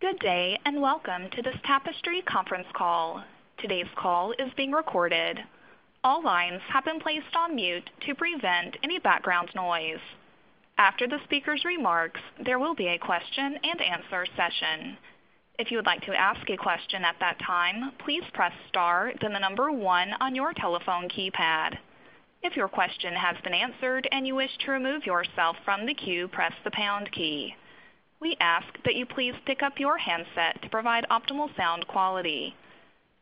Good day. Welcome to this Tapestry conference call. Today's call is being recorded. All lines have been placed on mute to prevent any background noise. After the speaker's remarks, there will be a question and answer session. If you would like to ask a question at that time, please press star then the number one on your telephone keypad. If your question has been answered and you wish to remove yourself from the queue, press the pound key. We ask that you please pick up your handset to provide optimal sound quality.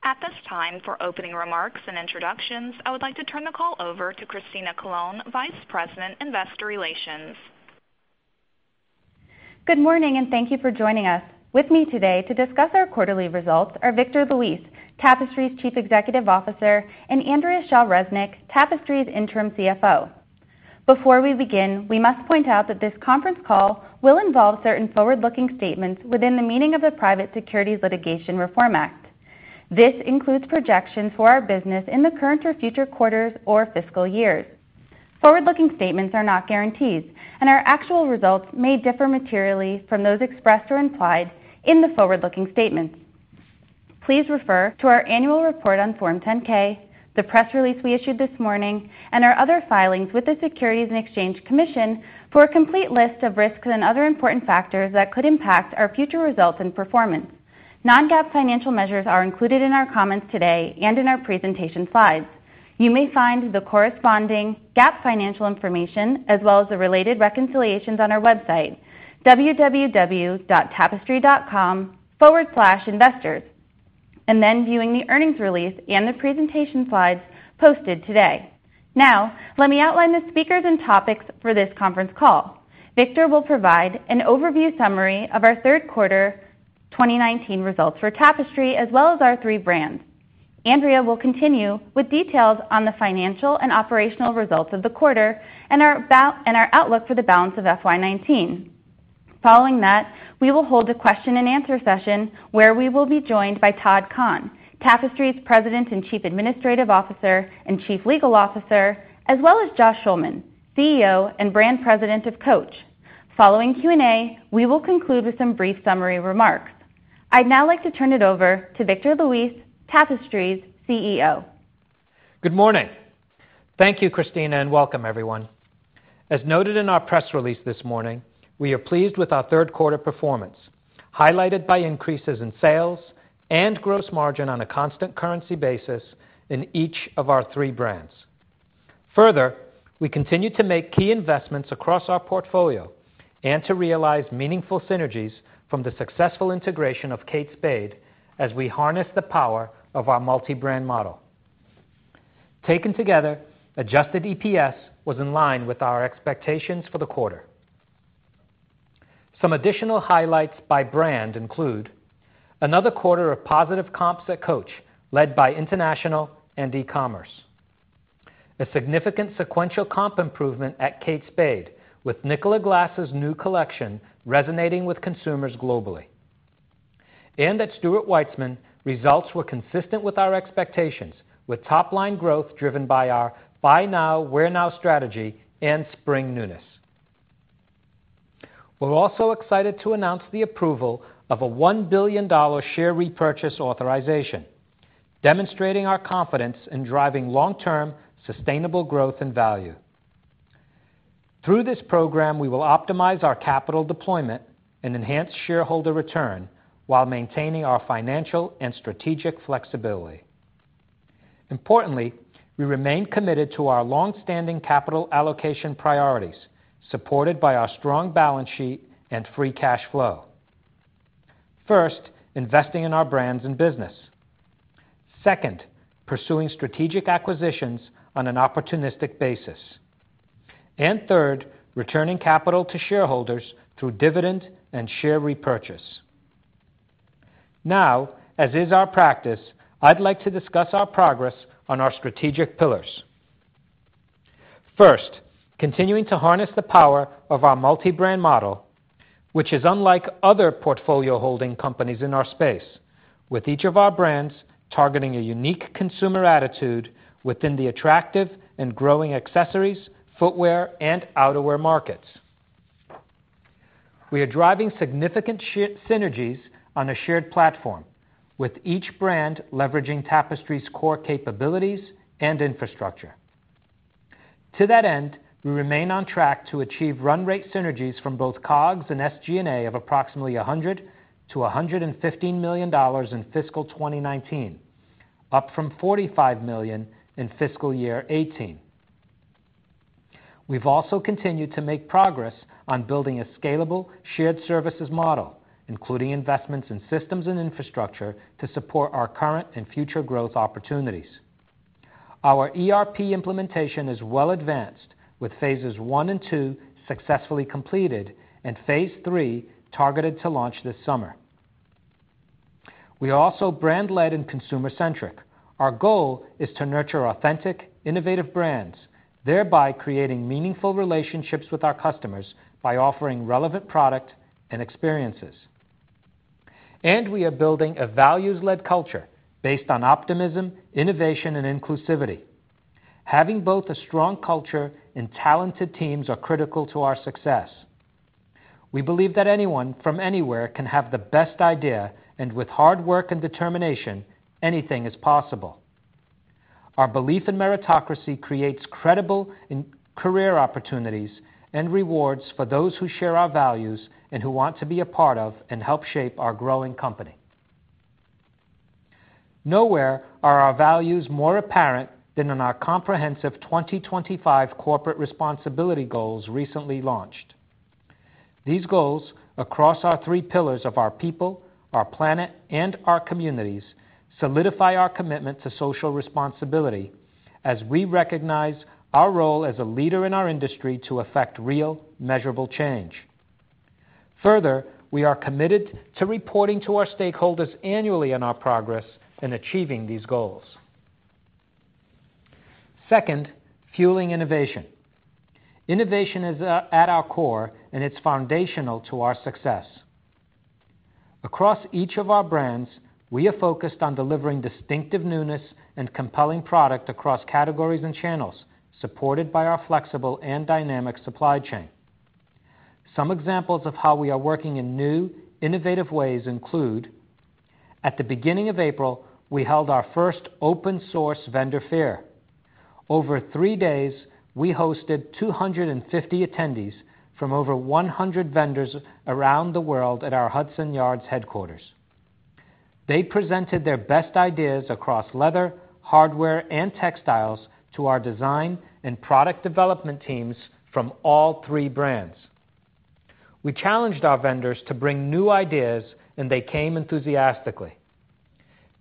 At this time, for opening remarks and introductions, I would like to turn the call over to Christina Colone, Vice President, Investor Relations. Good morning. Thank you for joining us. With me today to discuss our quarterly results are Victor Luis, Tapestry's Chief Executive Officer, and Andrea Shaw Resnick, Tapestry's Interim CFO. Before we begin, we must point out that this conference call will involve certain forward-looking statements within the meaning of the Private Securities Litigation Reform Act. This includes projections for our business in the current or future quarters or fiscal years. Forward-looking statements are not guarantees, and our actual results may differ materially from those expressed or implied in the forward-looking statements. Please refer to our annual report on Form 10-K, the press release we issued this morning, and our other filings with the Securities and Exchange Commission for a complete list of risks and other important factors that could impact our future results and performance. Non-GAAP financial measures are included in our comments today and in our presentation slides. You may find the corresponding GAAP financial information as well as the related reconciliations on our website, www.tapestry.com/investors. Then viewing the earnings release and the presentation slides posted today. Let me outline the speakers and topics for this conference call. Victor will provide an overview summary of our third quarter 2019 results for Tapestry as well as our three brands. Andrea will continue with details on the financial and operational results of the quarter and our outlook for the balance of FY 2019. Following that, we will hold a question and answer session where we will be joined by Todd Kahn, Tapestry's President and Chief Administrative Officer and Chief Legal Officer, as well as Joshua Schulman, CEO and Brand President of Coach. Following Q&A, we will conclude with some brief summary remarks. I'd now like to turn it over to Victor Luis, Tapestry's CEO. Good morning. Thank you, Christina. Welcome everyone. As noted in our press release this morning, we are pleased with our third quarter performance, highlighted by increases in sales and gross margin on a constant currency basis in each of our three brands. Further, we continue to make key investments across our portfolio and to realize meaningful synergies from the successful integration of Kate Spade as we harness the power of our multi-brand model. Taken together, adjusted EPS was in line with our expectations for the quarter. Some additional highlights by brand include another quarter of positive comps at Coach led by international and e-commerce. A significant sequential comp improvement at Kate Spade with Nicola Glass' new collection resonating with consumers globally. At Stuart Weitzman, results were consistent with our expectations with top-line growth driven by our Buy Now, Wear Now strategy and spring newness. We're also excited to announce the approval of a $1 billion share repurchase authorization, demonstrating our confidence in driving long-term sustainable growth and value. Through this program, we will optimize our capital deployment and enhance shareholder return while maintaining our financial and strategic flexibility. Importantly, we remain committed to our longstanding capital allocation priorities, supported by our strong balance sheet and free cash flow. First, investing in our brands and business. Second, pursuing strategic acquisitions on an opportunistic basis. Third, returning capital to shareholders through dividend and share repurchase. As is our practice, I'd like to discuss our progress on our strategic pillars. First, continuing to harness the power of our multi-brand model, which is unlike other portfolio-holding companies in our space. With each of our brands targeting a unique consumer attitude within the attractive and growing accessories, footwear, and outerwear markets. We are driving significant synergies on a shared platform, with each brand leveraging Tapestry's core capabilities and infrastructure. To that end, we remain on track to achieve run rate synergies from both COGS and SG&A of approximately $100 million-$115 million in fiscal 2019, up from $45 million in fiscal year 2018. We've also continued to make progress on building a scalable, shared services model, including investments in systems and infrastructure to support our current and future growth opportunities. Our ERP implementation is well advanced, with phases 1 and 2 successfully completed and phase 3 targeted to launch this summer. We are also brand-led and consumer-centric. Our goal is to nurture authentic, innovative brands, thereby creating meaningful relationships with our customers by offering relevant product and experiences. We are building a values-led culture based on optimism, innovation, and inclusivity. Having both a strong culture and talented teams are critical to our success. We believe that anyone from anywhere can have the best idea, and with hard work and determination, anything is possible. Our belief in meritocracy creates credible career opportunities and rewards for those who share our values and who want to be a part of and help shape our growing company. Nowhere are our values more apparent than in our comprehensive 2025 corporate responsibility goals recently launched. These goals, across our three pillars of our people, our planet, and our communities, solidify our commitment to social responsibility as we recognize our role as a leader in our industry to affect real, measurable change. We are committed to reporting to our stakeholders annually on our progress in achieving these goals. Second, fueling innovation. Innovation is at our core, and it's foundational to our success. Across each of our brands, we are focused on delivering distinctive newness and compelling product across categories and channels, supported by our flexible and dynamic supply chain. Some examples of how we are working in new, innovative ways include at the beginning of April, we held our first open source vendor fair. Over three days, we hosted 250 attendees from over 100 vendors around the world at our Hudson Yards headquarters. They presented their best ideas across leather, hardware, and textiles to our design and product development teams from all three brands. We challenged our vendors to bring new ideas, and they came enthusiastically.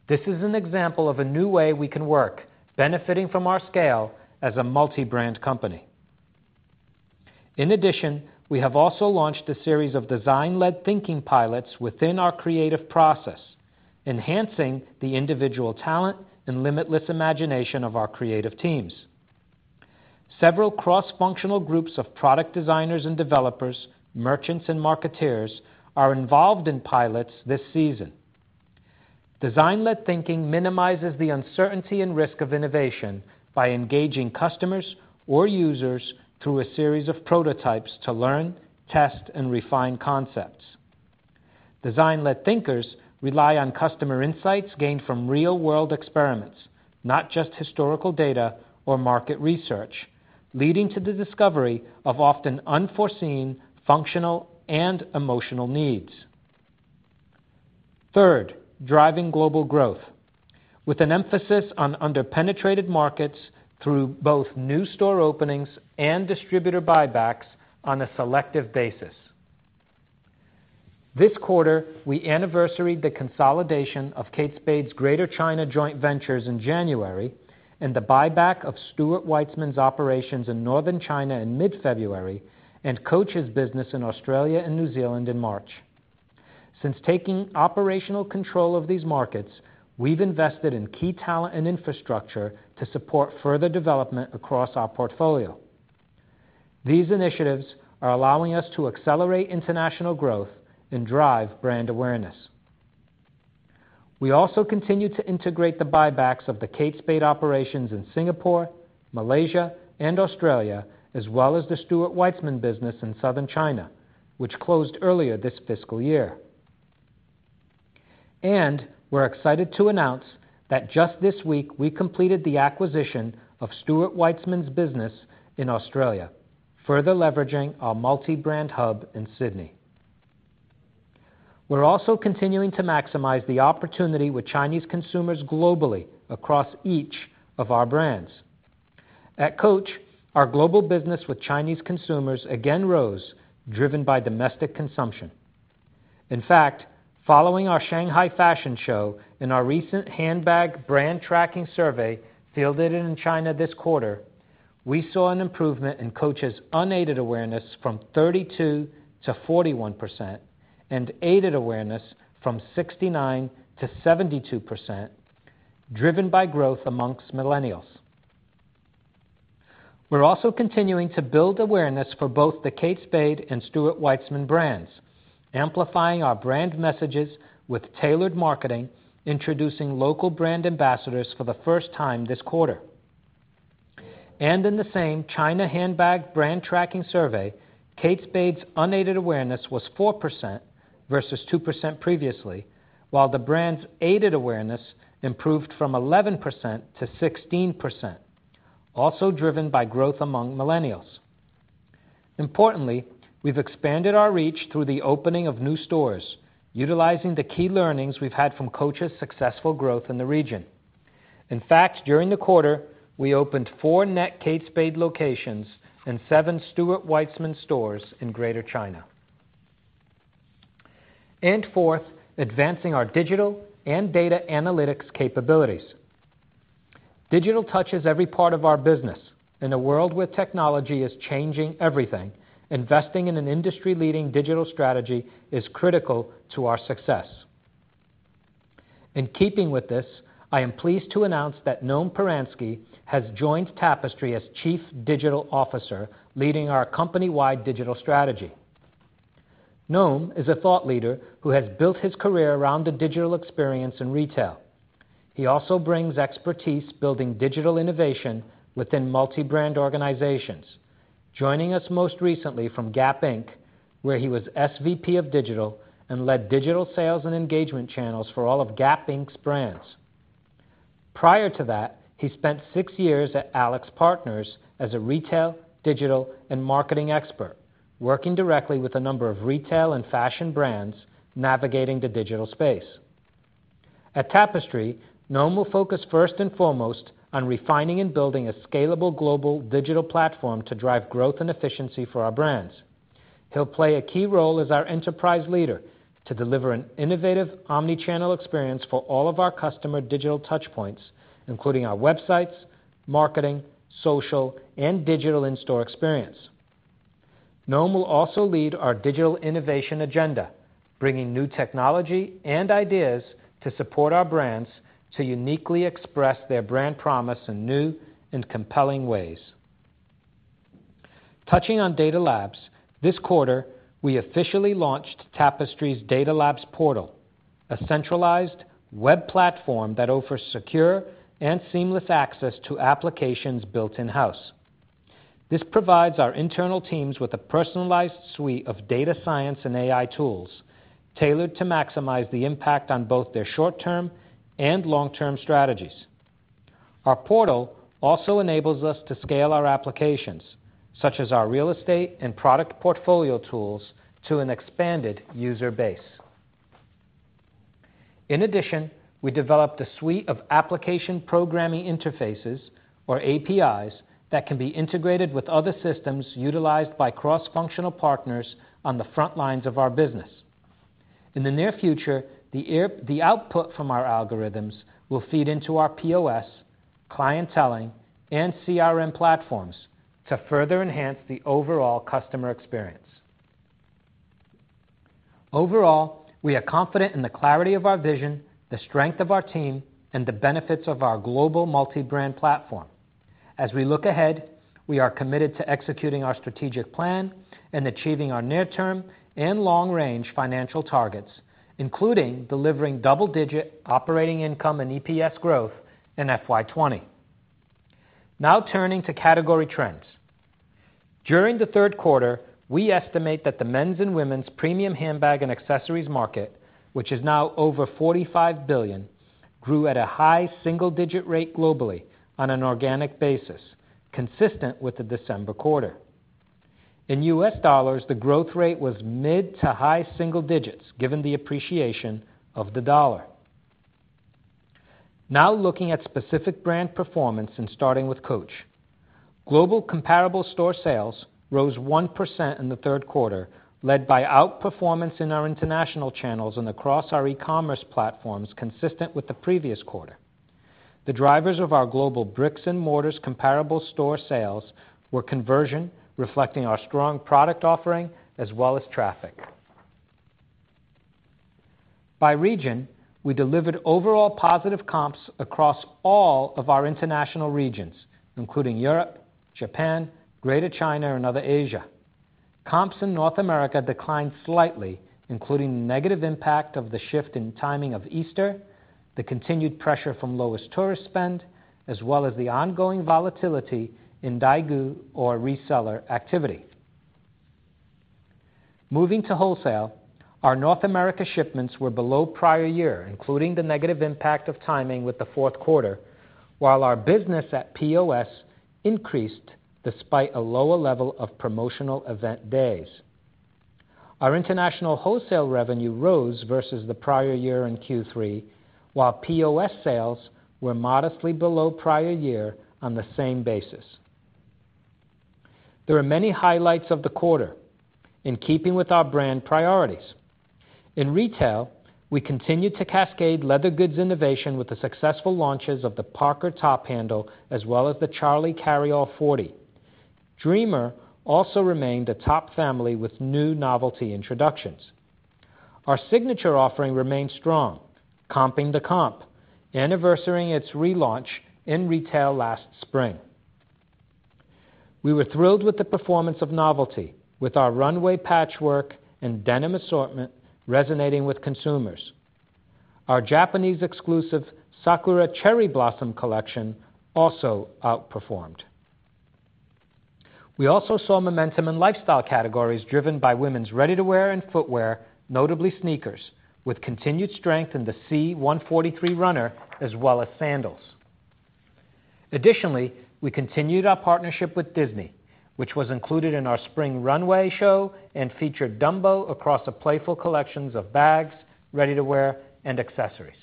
This is an example of a new way we can work, benefiting from our scale as a multi-brand company. We have also launched a series of design-led thinking pilots within our creative process, enhancing the individual talent and limitless imagination of our creative teams. Several cross-functional groups of product designers and developers, merchants, and marketeers are involved in pilots this season. Design-led thinking minimizes the uncertainty and risk of innovation by engaging customers or users through a series of prototypes to learn, test, and refine concepts. Design-led thinkers rely on customer insights gained from real-world experiments, not just historical data or market research, leading to the discovery of often unforeseen functional and emotional needs. Third, driving global growth with an emphasis on under-penetrated markets through both new store openings and distributor buybacks on a selective basis. This quarter, we anniversaried the consolidation of Kate Spade's Greater China joint ventures in January and the buyback of Stuart Weitzman's operations in Northern China in mid-February and Coach's business in Australia and New Zealand in March. Since taking operational control of these markets, we've invested in key talent and infrastructure to support further development across our portfolio. These initiatives are allowing us to accelerate international growth and drive brand awareness. We also continue to integrate the buybacks of the Kate Spade operations in Singapore, Malaysia, and Australia, as well as the Stuart Weitzman business in Southern China, which closed earlier this fiscal year. We're excited to announce that just this week, we completed the acquisition of Stuart Weitzman's business in Australia, further leveraging our multi-brand hub in Sydney. We're also continuing to maximize the opportunity with Chinese consumers globally across each of our brands. At Coach, our global business with Chinese consumers again rose, driven by domestic consumption. In fact, following our Shanghai fashion show and our recent handbag brand tracking survey fielded in China this quarter, we saw an improvement in Coach's unaided awareness from 32% to 41% and aided awareness from 69% to 72%, driven by growth amongst millennials. We're also continuing to build awareness for both the Kate Spade and Stuart Weitzman brands, amplifying our brand messages with tailored marketing, introducing local brand ambassadors for the first time this quarter. In the same China handbag brand tracking survey, Kate Spade's unaided awareness was 4% versus 2% previously, while the brand's aided awareness improved from 11% to 16%, also driven by growth among millennials. Importantly, we've expanded our reach through the opening of new stores, utilizing the key learnings we've had from Coach's successful growth in the region. In fact, during the quarter, we opened four net Kate Spade locations and seven Stuart Weitzman stores in Greater China. Fourth, advancing our digital and data analytics capabilities. Digital touches every part of our business. In a world where technology is changing everything, investing in an industry-leading digital strategy is critical to our success. In keeping with this, I am pleased to announce that Noam Paransky has joined Tapestry as Chief Digital Officer, leading our company-wide digital strategy. Noam is a thought leader who has built his career around the digital experience in retail. He also brings expertise building digital innovation within multi-brand organizations. Joining us most recently from Gap Inc., where he was SVP of Digital and led digital sales and engagement channels for all of Gap Inc.'s brands. Prior to that, he spent six years at AlixPartners as a retail, digital, and marketing expert, working directly with a number of retail and fashion brands navigating the digital space. At Tapestry, Noam will focus first and foremost on refining and building a scalable global digital platform to drive growth and efficiency for our brands. He'll play a key role as our enterprise leader to deliver an innovative omni-channel experience for all of our customer digital touch points, including our websites, marketing, social, and digital in-store experience. Noam will also lead our digital innovation agenda, bringing new technology and ideas to support our brands to uniquely express their brand promise in new and compelling ways. Touching on Data Labs, this quarter, we officially launched Tapestry's Data Labs portal, a centralized web platform that offers secure and seamless access to applications built in-house. This provides our internal teams with a personalized suite of data science and AI tools tailored to maximize the impact on both their short-term and long-term strategies. Our portal also enables us to scale our applications, such as our real estate and product portfolio tools, to an expanded user base. We developed a suite of application programming interfaces, or APIs, that can be integrated with other systems utilized by cross-functional partners on the front lines of our business. In the near future, the output from our algorithms will feed into our POS, clienteling, and CRM platforms to further enhance the overall customer experience. We are confident in the clarity of our vision, the strength of our team, and the benefits of our global multi-brand platform. We are committed to executing our strategic plan and achieving our near-term and long-range financial targets, including delivering double-digit operating income and EPS growth in FY 2020. Turning to category trends. During the third quarter, we estimate that the men's and women's premium handbag and accessories market, which is now over $45 billion, grew at a high single-digit rate globally on an organic basis, consistent with the December quarter. In U.S. dollars, the growth rate was mid to high single digits given the appreciation of the dollar. Looking at specific brand performance and starting with Coach. Global comparable store sales rose 1% in the third quarter, led by outperformance in our international channels and across our e-commerce platforms consistent with the previous quarter. The drivers of our global bricks and mortars comparable store sales were conversion, reflecting our strong product offering, as well as traffic. We delivered overall positive comps across all of our international regions, including Europe, Japan, Greater China, and other Asia. Comps in North America declined slightly, including negative impact of the shift in timing of Easter, the continued pressure from lowest tourist spend, as well as the ongoing volatility in Daigou or reseller activity. Our North America shipments were below prior year, including the negative impact of timing with the fourth quarter, while our business at POS increased despite a lower level of promotional event days. Our international wholesale revenue rose versus the prior year in Q3, while POS sales were modestly below prior year on the same basis. There are many highlights of the quarter in keeping with our brand priorities. We continued to cascade leather goods innovation with the successful launches of the Parker top handle as well as the Charlie carryall 40. Dreamer also remained a top family with new novelty introductions. Our Signature offering remained strong, comping the comp, anniversarying its relaunch in retail last spring. We were thrilled with the performance of novelty with our runway patchwork and denim assortment resonating with consumers. Our Japanese exclusive Sakura cherry blossom collection also outperformed. We also saw momentum in lifestyle categories driven by women's ready-to-wear and footwear, notably sneakers, with continued strength in the C143 runner as well as sandals. Additionally, we continued our partnership with Disney, which was included in our spring runway show and featured Dumbo across the playful collections of bags, ready-to-wear, and accessories.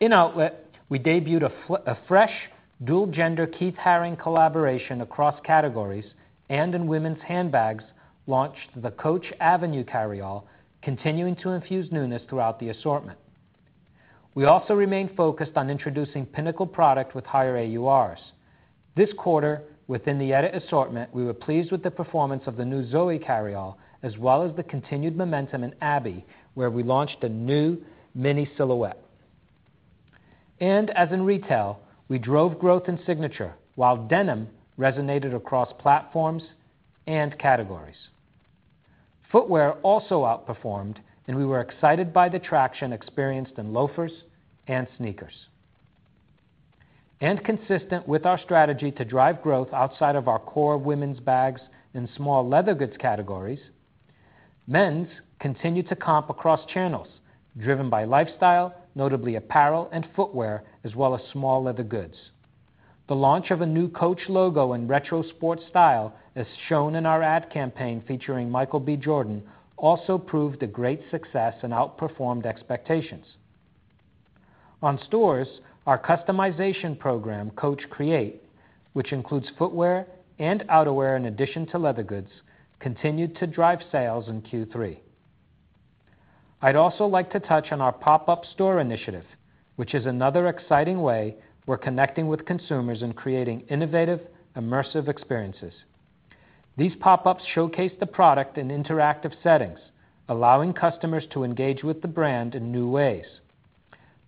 In outlet, we debuted a fresh dual-gender Keith Haring collaboration across categories. In women's handbags, launched the Coach Avenue Carryall, continuing to infuse newness throughout the assortment. We also remain focused on introducing pinnacle product with higher AURs. This quarter, within the edit assortment, we were pleased with the performance of the new Zoe Carryall, as well as the continued momentum in Abby, where we launched a new mini silhouette. As in retail, we drove growth in Signature, while denim resonated across platforms and categories. Footwear also outperformed. We were excited by the traction experienced in loafers and sneakers. Consistent with our strategy to drive growth outside of our core women's bags and small leather goods categories, men's continued to comp across channels, driven by lifestyle, notably apparel and footwear, as well as small leather goods. The launch of a new Coach logo in retro sport style, as shown in our ad campaign featuring Michael B. Jordan, also proved a great success and outperformed expectations. On stores, our customization program, Coach Create, which includes footwear and outerwear in addition to leather goods, continued to drive sales in Q3. I'd also like to touch on our pop-up store initiative, which is another exciting way we're connecting with consumers and creating innovative, immersive experiences. These pop-ups showcase the product in interactive settings, allowing customers to engage with the brand in new ways.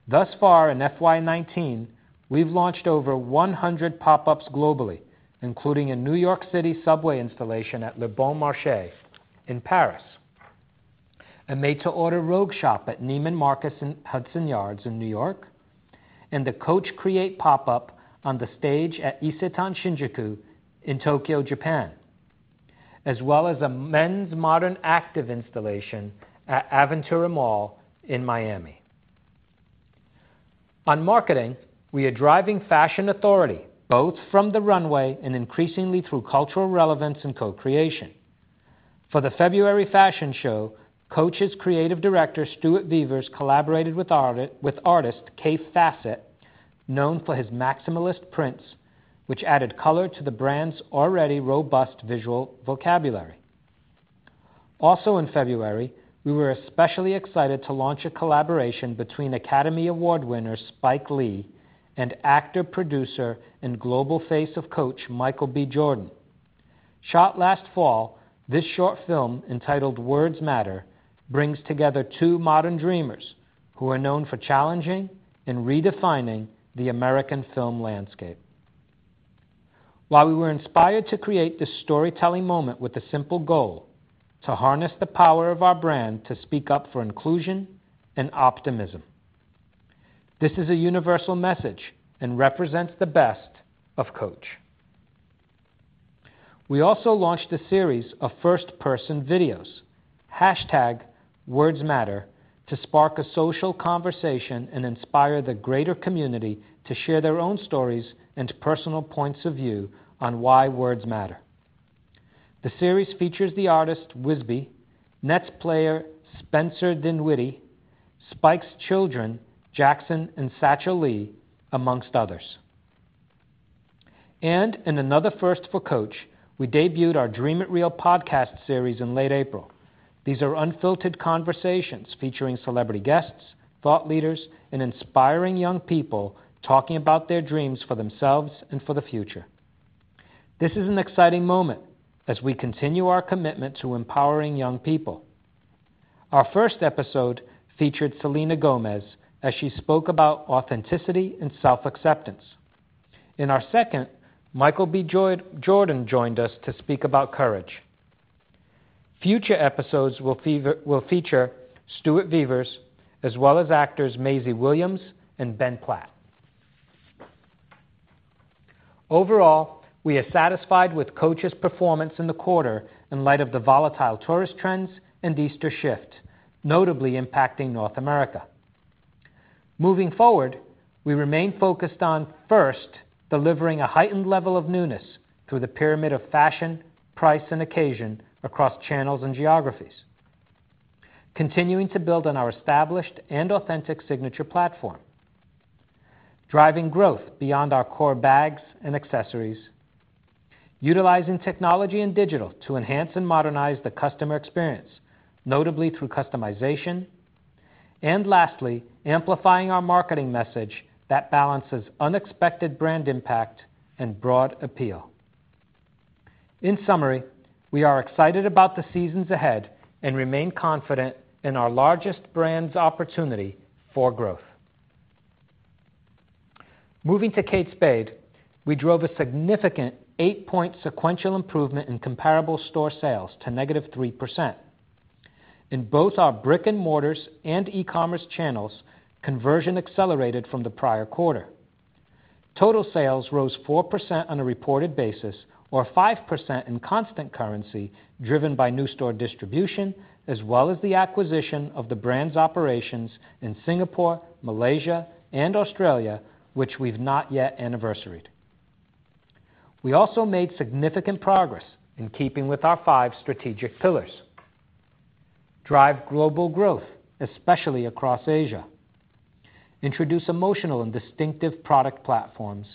Thus far in FY 2019, we've launched over 100 pop-ups globally, including a New York City subway installation at Le Bon Marché in Paris, a made-to-order Rogue shop at Neiman Marcus in Hudson Yards in New York, and the Coach Create pop-up on the stage at Isetan Shinjuku in Tokyo, Japan, as well as a men's modern active installation at Aventura Mall in Miami. On marketing, we are driving fashion authority, both from the runway and increasingly through cultural relevance and co-creation. For the February fashion show, Coach's creative director, Stuart Vevers, collaborated with artist Kaffe Fassett, known for his maximalist prints, which added color to the brand's already robust visual vocabulary. Also in February, we were especially excited to launch a collaboration between Academy Award winner Spike Lee and actor, producer, and global face of Coach, Michael B. Jordan. Shot last fall, this short film, entitled "Words Matter," brings together two modern dreamers who are known for challenging and redefining the American film landscape. We were inspired to create this storytelling moment with a simple goal, to harness the power of our brand to speak up for inclusion and optimism, this is a universal message and represents the best of Coach. We also launched a series of first-person videos, #WordsMatter, to spark a social conversation and inspire the greater community to share their own stories and personal points of view on why words matter. The series features the artist Whisbe, Nets player Spencer Dinwiddie, Spike's children, Jackson and Satchel Lee, amongst others. In another first for Coach, we debuted our "Dream It Real" podcast series in late April. These are unfiltered conversations featuring celebrity guests, thought leaders, and inspiring young people talking about their dreams for themselves and for the future. This is an exciting moment as we continue our commitment to empowering young people. Our first episode featured Selena Gomez as she spoke about authenticity and self-acceptance. In our second, Michael B. Jordan joined us to speak about courage. Future episodes will feature Stuart Vevers, as well as actors Maisie Williams and Ben Platt. Overall, we are satisfied with Coach's performance in the quarter in light of the volatile tourist trends and Easter shift, notably impacting North America. Moving forward, we remain focused on, first, delivering a heightened level of newness through the pyramid of fashion, price, and occasion across channels and geographies. Continuing to build on our established and authentic Signature platform. Driving growth beyond our core bags and accessories. Utilizing technology and digital to enhance and modernize the customer experience, notably through customization. Lastly, amplifying our marketing message that balances unexpected brand impact and broad appeal. In summary, we are excited about the seasons ahead and remain confident in our largest brand's opportunity for growth. Moving to Kate Spade, we drove a significant 8-point sequential improvement in comparable store sales to negative 3%. In both our brick and mortars and e-commerce channels, conversion accelerated from the prior quarter. Total sales rose 4% on a reported basis, or 5% in constant currency, driven by new store distribution as well as the acquisition of the brand's operations in Singapore, Malaysia, and Australia, which we've not yet anniversaried. We also made significant progress in keeping with our 5 strategic pillars. Drive global growth, especially across Asia. Introduce emotional and distinctive product platforms.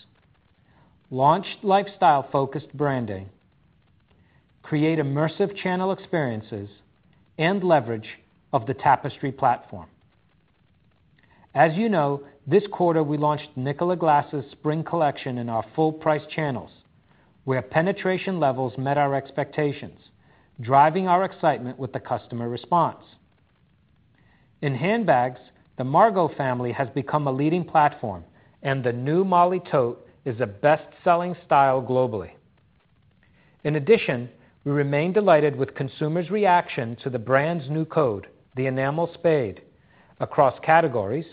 Launch lifestyle-focused branding. Create immersive channel experiences, and leverage of the Tapestry platform. As you know, this quarter, we launched Nicola Glass' spring collection in our full-price channels, where penetration levels met our expectations, driving our excitement with the customer response. In handbags, the Margot family has become a leading platform, and the new Molly tote is a best-selling style globally. In addition, we remain delighted with consumers' reaction to the brand's new code, the enamel spade, across categories,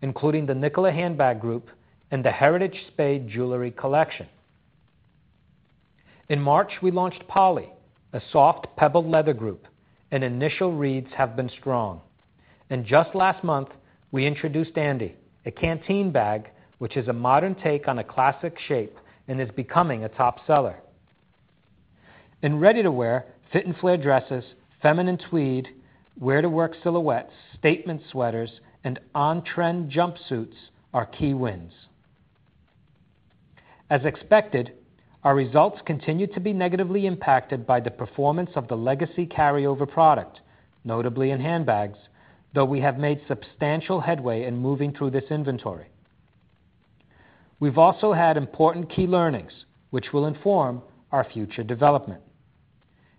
including the Nicola handbag group and the Heritage Spade jewelry collection. In March, we launched Polly, a soft pebbled leather group, and initial reads have been strong. Just last month, we introduced Andy, a Canteen bag, which is a modern take on a classic shape and is becoming a top seller. In ready-to-wear, fit and flare dresses, feminine tweed, wear-to-work silhouettes, statement sweaters, and on-trend jumpsuits are key wins. As expected, our results continue to be negatively impacted by the performance of the legacy carryover product, notably in handbags, though we have made substantial headway in moving through this inventory. We've also had important key learnings, which will inform our future development.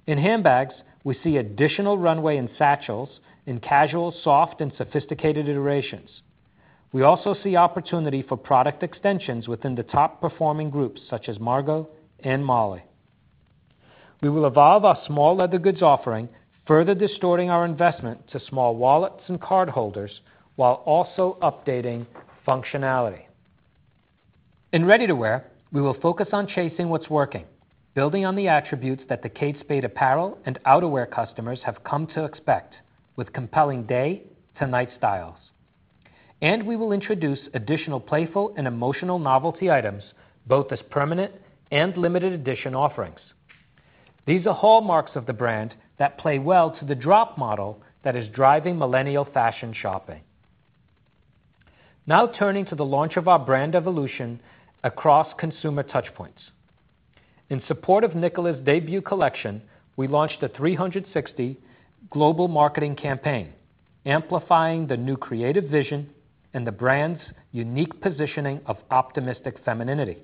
In handbags, we see additional runway and satchels in casual, soft, and sophisticated iterations. We also see opportunity for product extensions within the top-performing groups, such as Margot and Molly. We will evolve our small leather goods offering, further distorting our investment to small wallets and cardholders, while also updating functionality. In ready-to-wear, we will focus on chasing what's working, building on the attributes that the Kate Spade apparel and outerwear customers have come to expect, with compelling day-to-night styles. We will introduce additional playful and emotional novelty items, both as permanent and limited-edition offerings. These are hallmarks of the brand that play well to the drop model that is driving millennial fashion shopping. Turning to the launch of our brand evolution across consumer touchpoints. In support of Nicola's debut collection, we launched a 360 global marketing campaign, amplifying the new creative vision and the brand's unique positioning of optimistic femininity.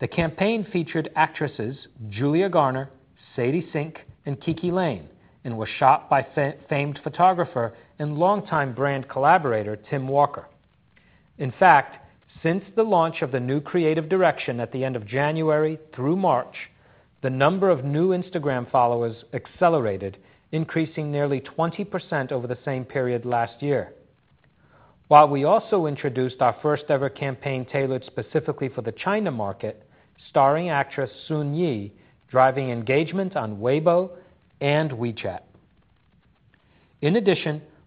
The campaign featured actresses Julia Garner, Sadie Sink, and Kiki Layne and was shot by famed photographer and longtime brand collaborator Tim Walker. In fact, since the launch of the new creative direction at the end of January through March, the number of new Instagram followers accelerated, increasing nearly 20% over the same period last year. While we also introduced our first-ever campaign tailored specifically for the China market, starring actress Sun Yi, driving engagement on Weibo and WeChat.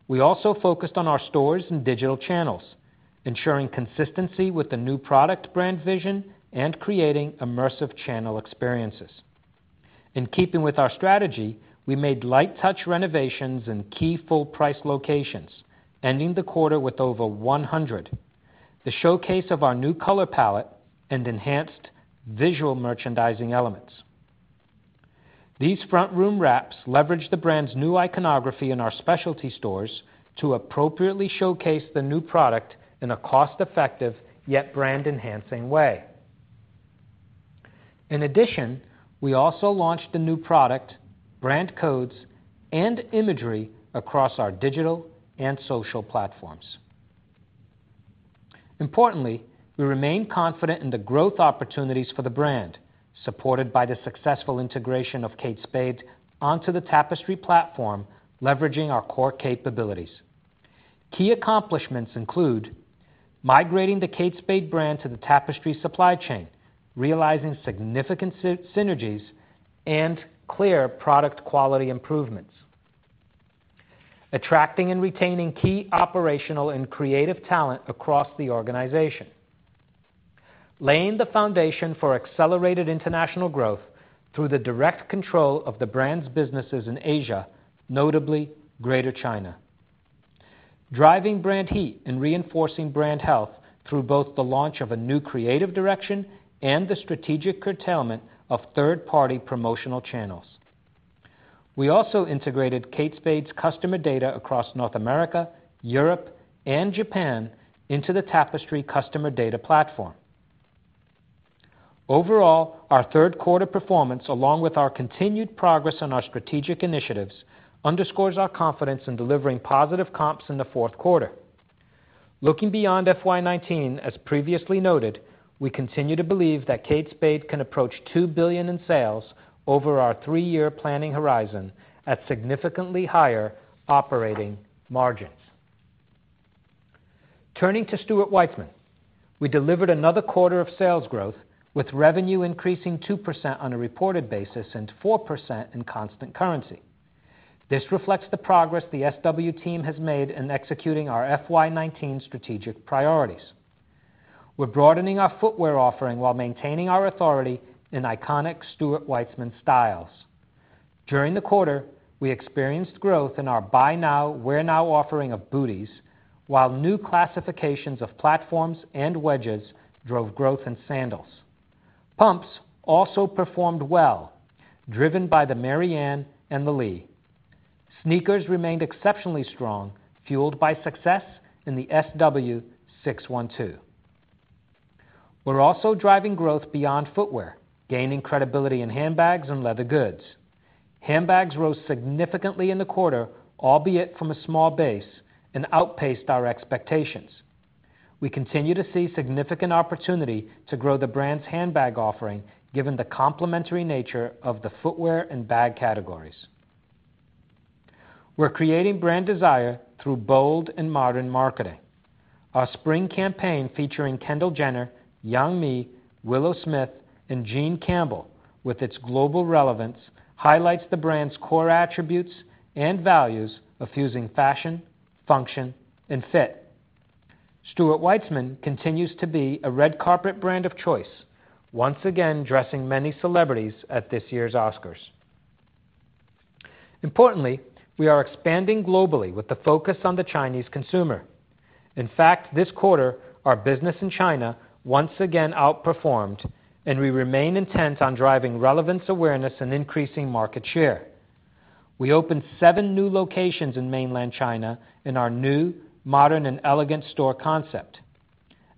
We also focused on our stores and digital channels, ensuring consistency with the new product brand vision and creating immersive channel experiences. In keeping with our strategy, we made light-touch renovations in key full-price locations, ending the quarter with over 100, the showcase of our new color palette and enhanced visual merchandising elements. These front-room wraps leverage the brand's new iconography in our specialty stores to appropriately showcase the new product in a cost-effective yet brand-enhancing way. We also launched the new product, brand codes, and imagery across our digital and social platforms. Importantly, we remain confident in the growth opportunities for the brand, supported by the successful integration of Kate Spade onto the Tapestry platform, leveraging our core capabilities. Key accomplishments include migrating the Kate Spade brand to the Tapestry supply chain, realizing significant synergies and clear product quality improvements. Attracting and retaining key operational and creative talent across the organization. Laying the foundation for accelerated international growth through the direct control of the brand's businesses in Asia, notably Greater China. Driving brand heat and reinforcing brand health through both the launch of a new creative direction and the strategic curtailment of third-party promotional channels. We also integrated Kate Spade's customer data across North America, Europe, and Japan into the Tapestry customer data platform. Overall, our third-quarter performance, along with our continued progress on our strategic initiatives, underscores our confidence in delivering positive comps in the fourth quarter. Looking beyond FY 2019, as previously noted, we continue to believe that Kate Spade can approach $2 billion in sales over our three-year planning horizon at significantly higher operating margins. Turning to Stuart Weitzman. We delivered another quarter of sales growth, with revenue increasing 2% on a reported basis and 4% in constant currency. This reflects the progress the SW team has made in executing our FY 2019 strategic priorities. We are broadening our footwear offering while maintaining our authority in iconic Stuart Weitzman styles. During the quarter, we experienced growth in our Buy Now, Wear Now offering of booties, while new classifications of platforms and wedges drove growth in sandals. Pumps also performed well, driven by the Maryanne and the Leigh. Sneakers remained exceptionally strong, fueled by success in the SW-612. We're also driving growth beyond footwear, gaining credibility in handbags and leather goods. Handbags rose significantly in the quarter, albeit from a small base, and outpaced our expectations. We continue to see significant opportunity to grow the brand's handbag offering given the complementary nature of the footwear and bag categories. We're creating brand desire through bold and modern marketing. Our spring campaign featuring Kendall Jenner, Yang Mi, Willow Smith, and Jean Campbell, with its global relevance, highlights the brand's core attributes and values of fusing fashion, function, and fit. Stuart Weitzman continues to be a red carpet brand of choice, once again dressing many celebrities at this year's Oscars. Importantly, we are expanding globally with the focus on the Chinese consumer. In fact, this quarter, our business in China once again outperformed, and we remain intent on driving relevance, awareness, and increasing market share. We opened seven new locations in mainland China in our new modern and elegant store concept.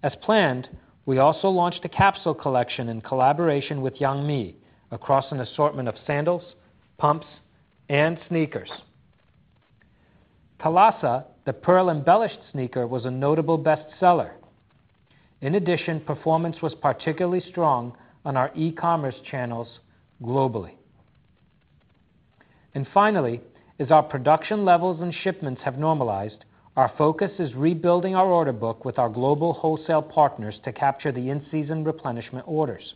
As planned, we also launched a capsule collection in collaboration with Yang Mi across an assortment of sandals, pumps, and sneakers. SW RUNAROUND, the pearl-embellished sneaker, was a notable best-seller. In addition, performance was particularly strong on our e-commerce channels globally. Finally, as our production levels and shipments have normalized, our focus is rebuilding our order book with our global wholesale partners to capture the in-season replenishment orders.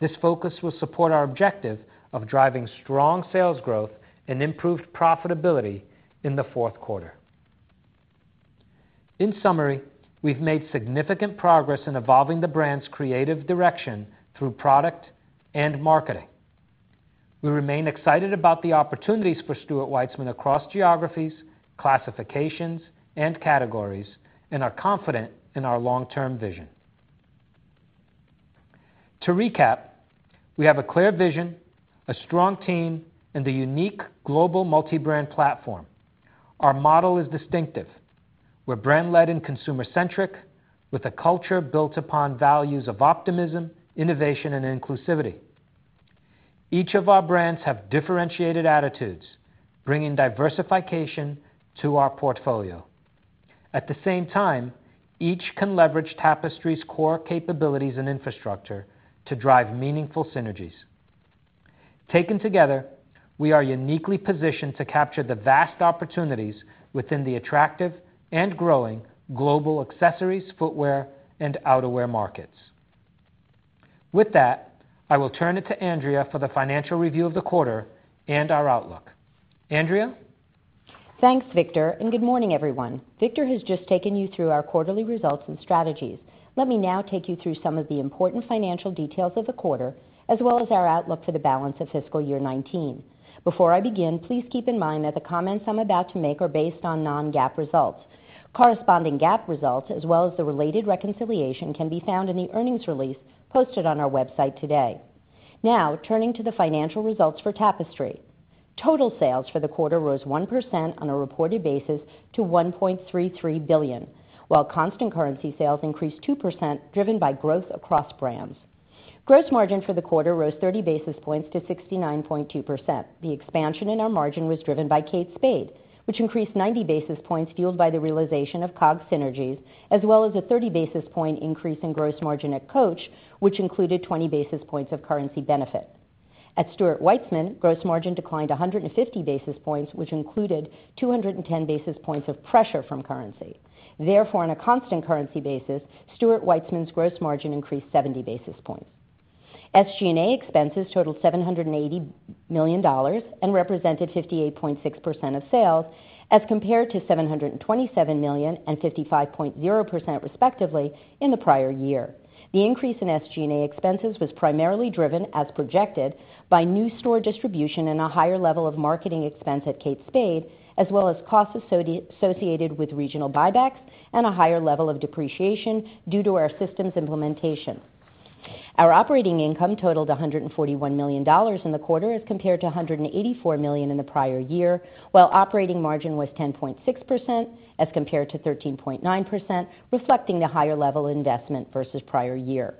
This focus will support our objective of driving strong sales growth and improved profitability in the fourth quarter. In summary, we've made significant progress in evolving the brand's creative direction through product and marketing. We remain excited about the opportunities for Stuart Weitzman across geographies, classifications, and categories, and are confident in our long-term vision. To recap, we have a clear vision, a strong team, and a unique global multi-brand platform. Our model is distinctive. We're brand-led and consumer-centric with a culture built upon values of optimism, innovation, and inclusivity. Each of our brands have differentiated attitudes, bringing diversification to our portfolio. At the same time, each can leverage Tapestry's core capabilities and infrastructure to drive meaningful synergies. Taken together, we are uniquely positioned to capture the vast opportunities within the attractive and growing global accessories, footwear, and outerwear markets. With that, I will turn it to Andrea for the financial review of the quarter and our outlook. Andrea? Thanks, Victor. Good morning, everyone. Victor has just taken you through our quarterly results and strategies. Let me now take you through some of the important financial details of the quarter, as well as our outlook for the balance of fiscal year 2019. Before I begin, please keep in mind that the comments I'm about to make are based on non-GAAP results. Corresponding GAAP results, as well as the related reconciliation, can be found in the earnings release posted on our website today. Now turning to the financial results for Tapestry. Total sales for the quarter rose 1% on a reported basis to $1.33 billion, while constant currency sales increased 2%, driven by growth across brands. Gross margin for the quarter rose 30 basis points to 69.2%. The expansion in our margin was driven by Kate Spade, which increased 90 basis points fueled by the realization of COGS synergies, as well as a 30 basis point increase in gross margin at Coach, which included 20 basis points of currency benefit. At Stuart Weitzman, gross margin declined 150 basis points, which included 210 basis points of pressure from currency. Therefore, on a constant currency basis, Stuart Weitzman's gross margin increased 70 basis points. SG&A expenses totaled $780 million and represented 58.6% of sales as compared to $727 million and 55.0%, respectively, in the prior year. The increase in SG&A expenses was primarily driven, as projected, by new store distribution and a higher level of marketing expense at Kate Spade, as well as costs associated with regional buybacks and a higher level of depreciation due to our systems implementation. Our operating income totaled $141 million in the quarter as compared to $184 million in the prior year, while operating margin was 10.6% as compared to 13.9%, reflecting the higher level of investment versus prior year.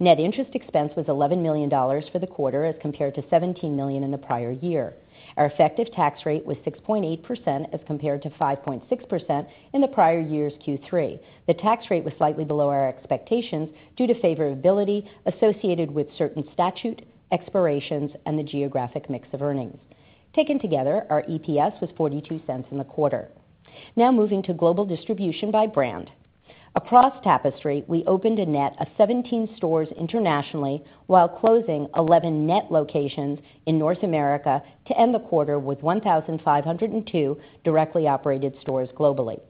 Net interest expense was $11 million for the quarter as compared to $17 million in the prior year. Our effective tax rate was 6.8% as compared to 5.6% in the prior year's Q3. The tax rate was slightly below our expectations due to favorability associated with certain statute expirations and the geographic mix of earnings. Taken together, our EPS was $0.42 in the quarter. Moving to global distribution by brand. Across Tapestry, we opened a net of 17 stores internationally while closing 11 net locations in North America to end the quarter with 1,502 directly operated stores globally.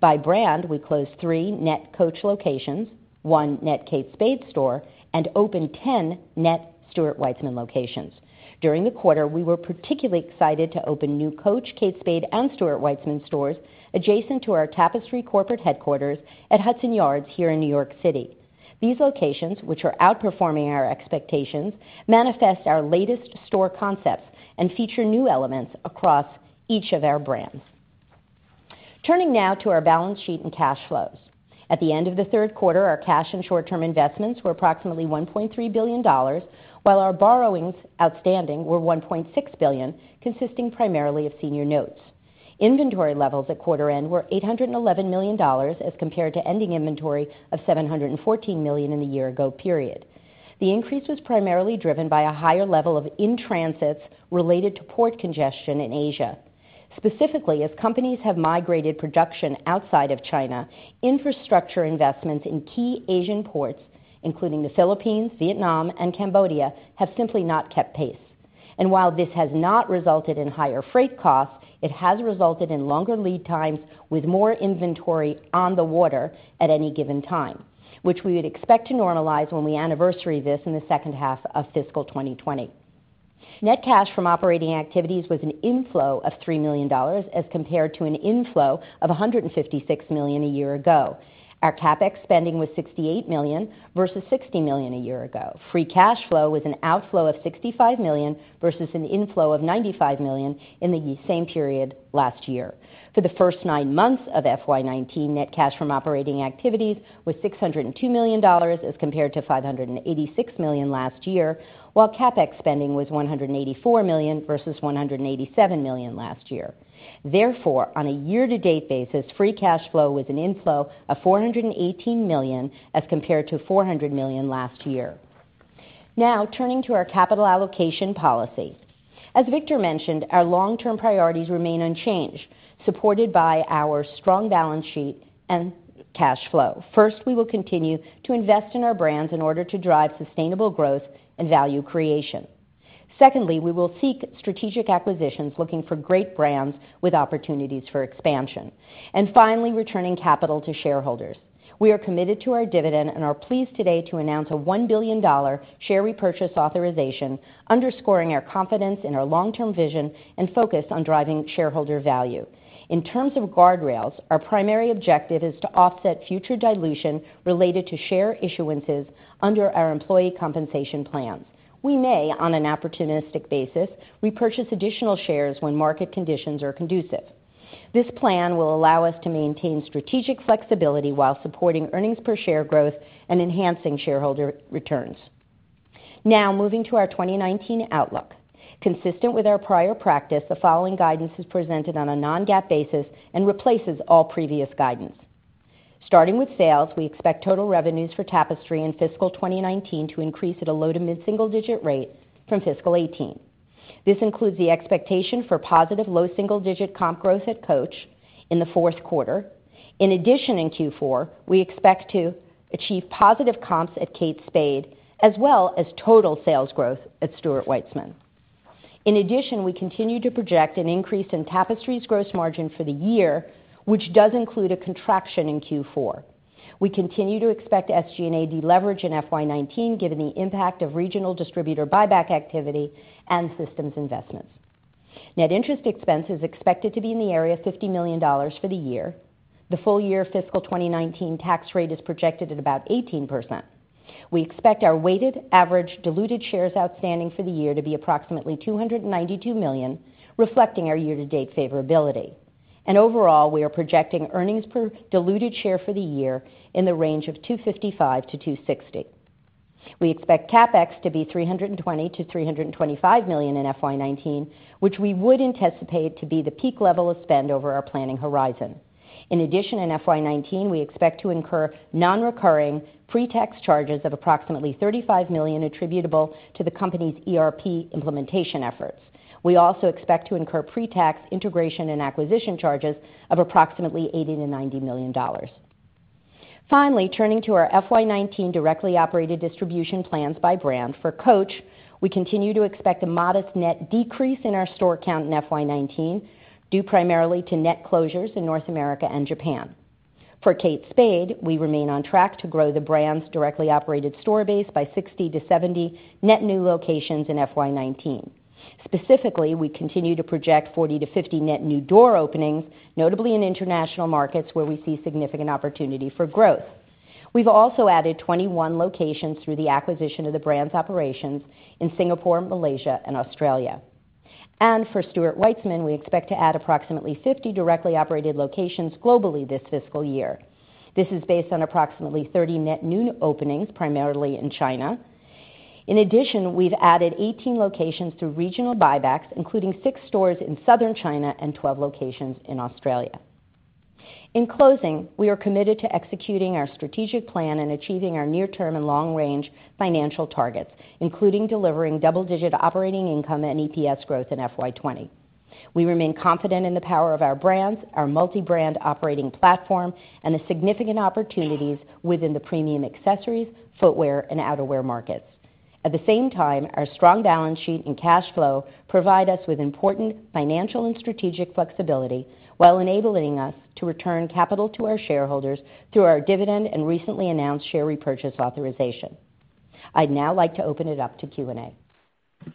By brand, we closed three net Coach locations, one net Kate Spade store, and opened 10 net Stuart Weitzman locations. During the quarter, we were particularly excited to open new Coach, Kate Spade, and Stuart Weitzman stores adjacent to our Tapestry corporate headquarters at Hudson Yards here in New York City. These locations, which are outperforming our expectations, manifest our latest store concepts and feature new elements across each of our brands. Turning now to our balance sheet and cash flows. At the end of the third quarter, our cash and short-term investments were approximately $1.3 billion, while our borrowings outstanding were $1.6 billion, consisting primarily of senior notes. Inventory levels at quarter end were $811 million as compared to ending inventory of $714 million in the year ago period. The increase was primarily driven by a higher level of in-transits related to port congestion in Asia. Specifically, as companies have migrated production outside of China, infrastructure investments in key Asian ports, including the Philippines, Vietnam, and Cambodia, have simply not kept pace. While this has not resulted in higher freight costs, it has resulted in longer lead times with more inventory on the water at any given time, which we would expect to normalize when we anniversary this in the second half of fiscal 2020. Net cash from operating activities was an inflow of $3 million as compared to an inflow of $156 million a year ago. Our CapEx spending was $68 million versus $60 million a year ago. Free cash flow was an outflow of $65 million versus an inflow of $95 million in the same period last year. For the first nine months of FY 2019, net cash from operating activities was $602 million as compared to $586 million last year, while CapEx spending was $184 million versus $187 million last year. Therefore, on a year-to-date basis, free cash flow was an inflow of $418 million as compared to $400 million last year. Now turning to our capital allocation policy. As Victor mentioned, our long-term priorities remain unchanged, supported by our strong balance sheet and cash flow. First, we will continue to invest in our brands in order to drive sustainable growth and value creation. Secondly, we will seek strategic acquisitions looking for great brands with opportunities for expansion. Finally, returning capital to shareholders. We are committed to our dividend and are pleased today to announce a $1 billion share repurchase authorization underscoring our confidence in our long-term vision and focus on driving shareholder value. In terms of guardrails, our primary objective is to offset future dilution related to share issuances under our employee compensation plans. We may, on an opportunistic basis, repurchase additional shares when market conditions are conducive. This plan will allow us to maintain strategic flexibility while supporting earnings per share growth and enhancing shareholder returns. Now moving to our 2019 outlook. Consistent with our prior practice, the following guidance is presented on a non-GAAP basis and replaces all previous guidance. Starting with sales, we expect total revenues for Tapestry in fiscal 2019 to increase at a low to mid-single digit rate from fiscal 2018. This includes the expectation for positive low single digit comp growth at Coach in the fourth quarter. In addition, in Q4, we expect to achieve positive comps at Kate Spade as well as total sales growth at Stuart Weitzman. In addition, we continue to project an increase in Tapestry's gross margin for the year, which does include a contraction in Q4. We continue to expect SG&A deleverage in FY 2019 given the impact of regional distributor buyback activity and systems investments. Net interest expense is expected to be in the area of $50 million for the year. The full year fiscal 2019 tax rate is projected at about 18%. We expect our weighted average diluted shares outstanding for the year to be approximately 292 million, reflecting our year-to-date favorability. Overall, we are projecting earnings per diluted share for the year in the range of 255 to 260. We expect CapEx to be $320 million to $325 million in FY 2019, which we would anticipate to be the peak level of spend over our planning horizon. In addition, in FY 2019, we expect to incur non-recurring pre-tax charges of approximately $35 million attributable to the company's ERP implementation efforts. We also expect to incur pre-tax integration and acquisition charges of approximately $80 million to $90 million. Finally, turning to our FY 2019 directly operated distribution plans by brand. For Coach, we continue to expect a modest net decrease in our store count in FY 2019 due primarily to net closures in North America and Japan. For Kate Spade, we remain on track to grow the brand's directly operated store base by 60 to 70 net new locations in FY 2019. Specifically, we continue to project 40 to 50 net new door openings, notably in international markets where we see significant opportunity for growth. We've also added 21 locations through the acquisition of the brand's operations in Singapore, Malaysia, and Australia. For Stuart Weitzman, we expect to add approximately 50 directly operated locations globally this fiscal year. This is based on approximately 30 net new openings primarily in China. In addition, we've added 18 locations through regional buybacks, including six stores in Southern China and 12 locations in Australia. In closing, we are committed to executing our strategic plan and achieving our near-term and long-range financial targets, including delivering double-digit operating income and EPS growth in FY 2020. We remain confident in the power of our brands, our multi-brand operating platform, and the significant opportunities within the premium accessories, footwear, and outerwear markets. At the same time, our strong balance sheet and cash flow provide us with important financial and strategic flexibility while enabling us to return capital to our shareholders through our dividend and recently announced share repurchase authorization. I'd now like to open it up to Q&A.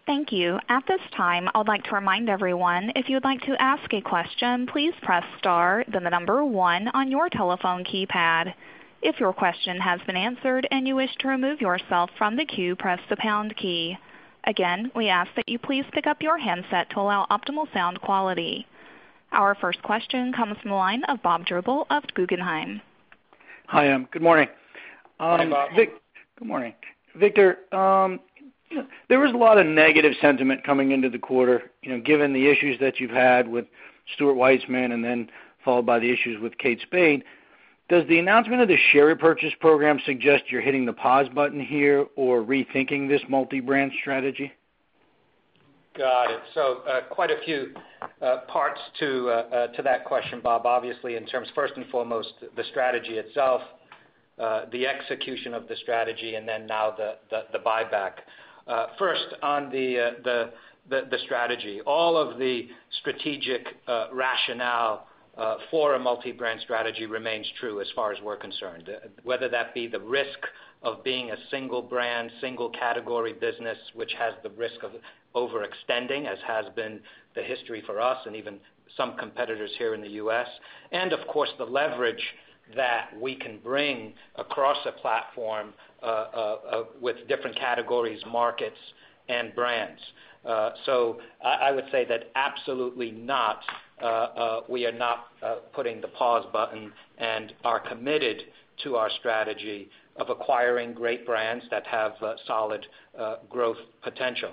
Thank you. At this time, I would like to remind everyone, if you would like to ask a question, please press star then the number 1 on your telephone keypad. If your question has been answered and you wish to remove yourself from the queue, press the pound key. Again, we ask that you please pick up your handset to allow optimal sound quality. Our first question comes from the line of Bob Drbul of Guggenheim. Hi, good morning. Hi, Bob. Good morning. Victor, there was a lot of negative sentiment coming into the quarter, given the issues that you've had with Stuart Weitzman and then followed by the issues with Kate Spade. Does the announcement of the share repurchase program suggest you're hitting the pause button here or rethinking this multi-brand strategy? Got it. Quite a few parts to that question, Bob. Obviously, in terms first and foremost, the strategy itself, the execution of the strategy, now the buyback. First on the strategy. All of the strategic rationale for a multi-brand strategy remains true as far as we're concerned, whether that be the risk of being a single brand, single category business, which has the risk of overextending as has been the history for us and even some competitors here in the U.S., Of course, the leverage that we can bring across a platform with different categories, markets, and brands. I would say that absolutely not, we are not putting the pause button and are committed to our strategy of acquiring great brands that have solid growth potential.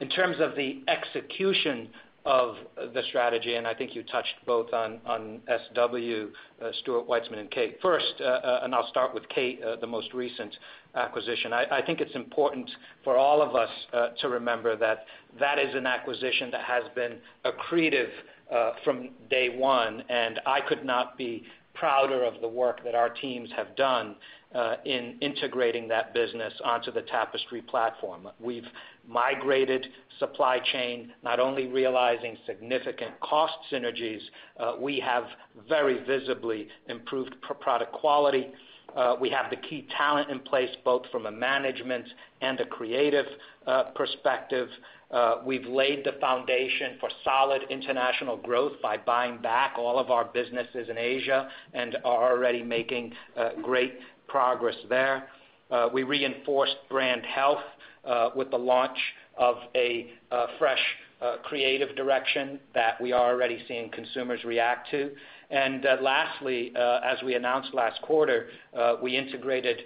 In terms of the execution of the strategy, I think you touched both on SW, Stuart Weitzman, and Kate. First, I'll start with Kate, the most recent acquisition. I think it's important for all of us to remember that that is an acquisition that has been accretive from day one, I could not be prouder of the work that our teams have done in integrating that business onto the Tapestry platform. We've migrated supply chain, not only realizing significant cost synergies, we have very visibly improved product quality. We have the key talent in place, both from a management and a creative perspective. We've laid the foundation for solid international growth by buying back all of our businesses in Asia and are already making great progress there. We reinforced brand health with the launch of a fresh creative direction that we are already seeing consumers react to. Lastly, as we announced last quarter, we integrated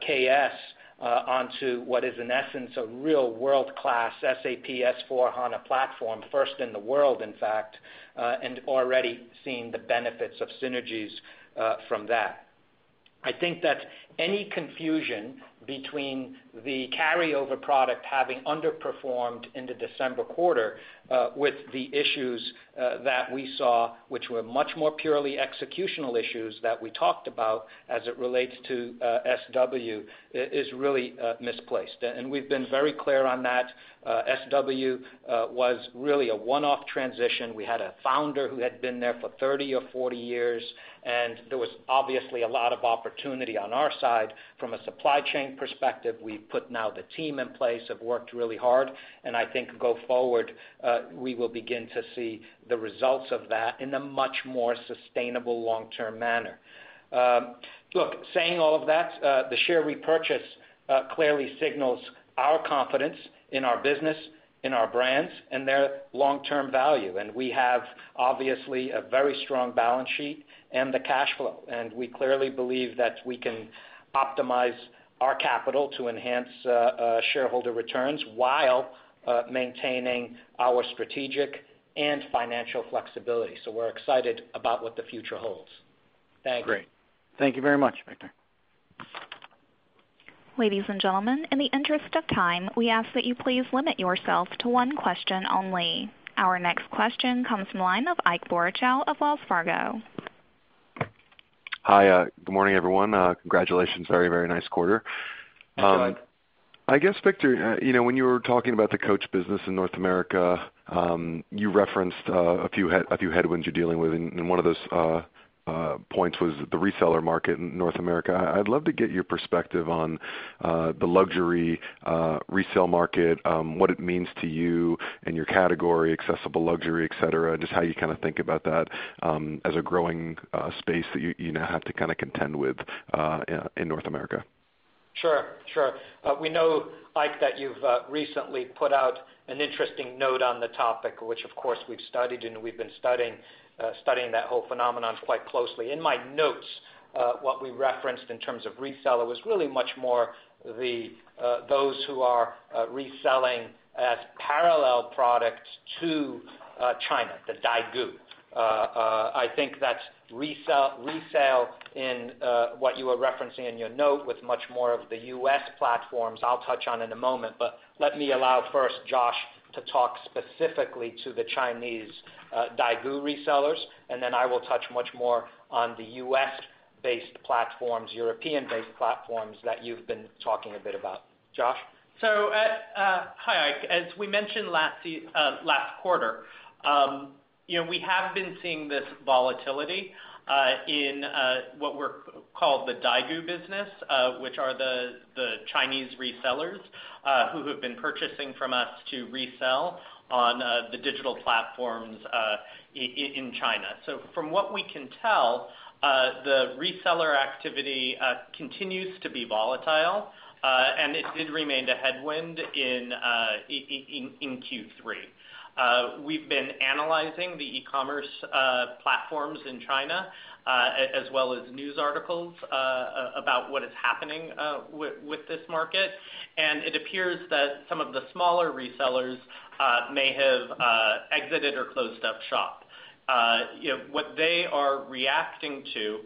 KS onto what is in essence a real world-class SAP S/4HANA platform, first in the world, in fact, and already seeing the benefits of synergies from that. I think that any confusion between the carryover product having underperformed in the December quarter with the issues that we saw, which were much more purely executional issues that we talked about as it relates to SW, is really misplaced. We've been very clear on that. SW was really a one-off transition. We had a founder who had been there for 30 or 40 years, and there was obviously a lot of opportunity on our side from a supply chain perspective. We've put now the team in place, have worked really hard, I think go forward, we will begin to see the results of that in a much more sustainable long-term manner. Look, saying all of that, the share repurchase clearly signals our confidence in our business, in our brands, and their long-term value. We have obviously a very strong balance sheet and the cash flow. We clearly believe that we can optimize our capital to enhance shareholder returns while maintaining our strategic and financial flexibility. We're excited about what the future holds. Thank you. Great. Thank you very much, Victor. Ladies and gentlemen, in the interest of time, we ask that you please limit yourself to one question only. Our next question comes from the line of Ike Boruchow of Wells Fargo. Hi. Good morning, everyone. Congratulations. Very nice quarter. Thanks, Ike. I guess, Victor, when you were talking about the Coach business in North America, you referenced a few headwinds you're dealing with. One of those points was the reseller market in North America. I'd love to get your perspective on the luxury resale market, what it means to you and your category, accessible luxury, et cetera, just how you think about that as a growing space that you now have to contend with in North America. Sure. We know, Ike, that you've recently put out an interesting note on the topic, which, of course, we've studied. We've been studying that whole phenomenon quite closely. In my notes, what we referenced in terms of reseller was really much more those who are reselling as parallel products to China, the Daigou. I think that resale in what you were referencing in your note with much more of the U.S. platforms, I'll touch on in a moment. Let me allow first Josh to talk specifically to the Chinese Daigou resellers. Then I will touch much more on the U.S.-based platforms, European-based platforms that you've been talking a bit about. Josh? Hi, Ike. As we mentioned last quarter, we have been seeing this volatility in what we call the Daigou business, which are the Chinese resellers who have been purchasing from us to resell on the digital platforms in China. From what we can tell, the reseller activity continues to be volatile, and it did remain a headwind in Q3. We've been analyzing the e-commerce platforms in China, as well as news articles about what is happening with this market, and it appears that some of the smaller resellers may have exited or closed up shop. What they are reacting to,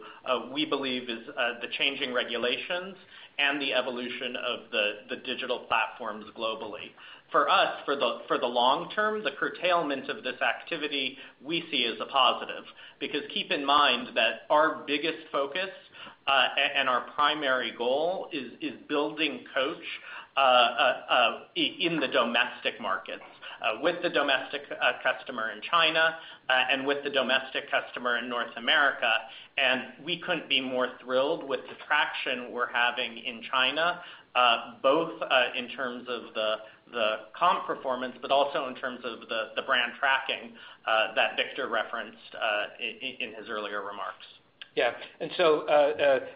we believe, is the changing regulations and the evolution of the digital platforms globally. For us, for the long term, the curtailment of this activity we see as a positive. Because keep in mind that our biggest focus, and our primary goal is building Coach in the domestic markets with the domestic customer in China and with the domestic customer in North America. We couldn't be more thrilled with the traction we're having in China, both in terms of the comp performance, but also in terms of the brand tracking that Victor referenced in his earlier remarks.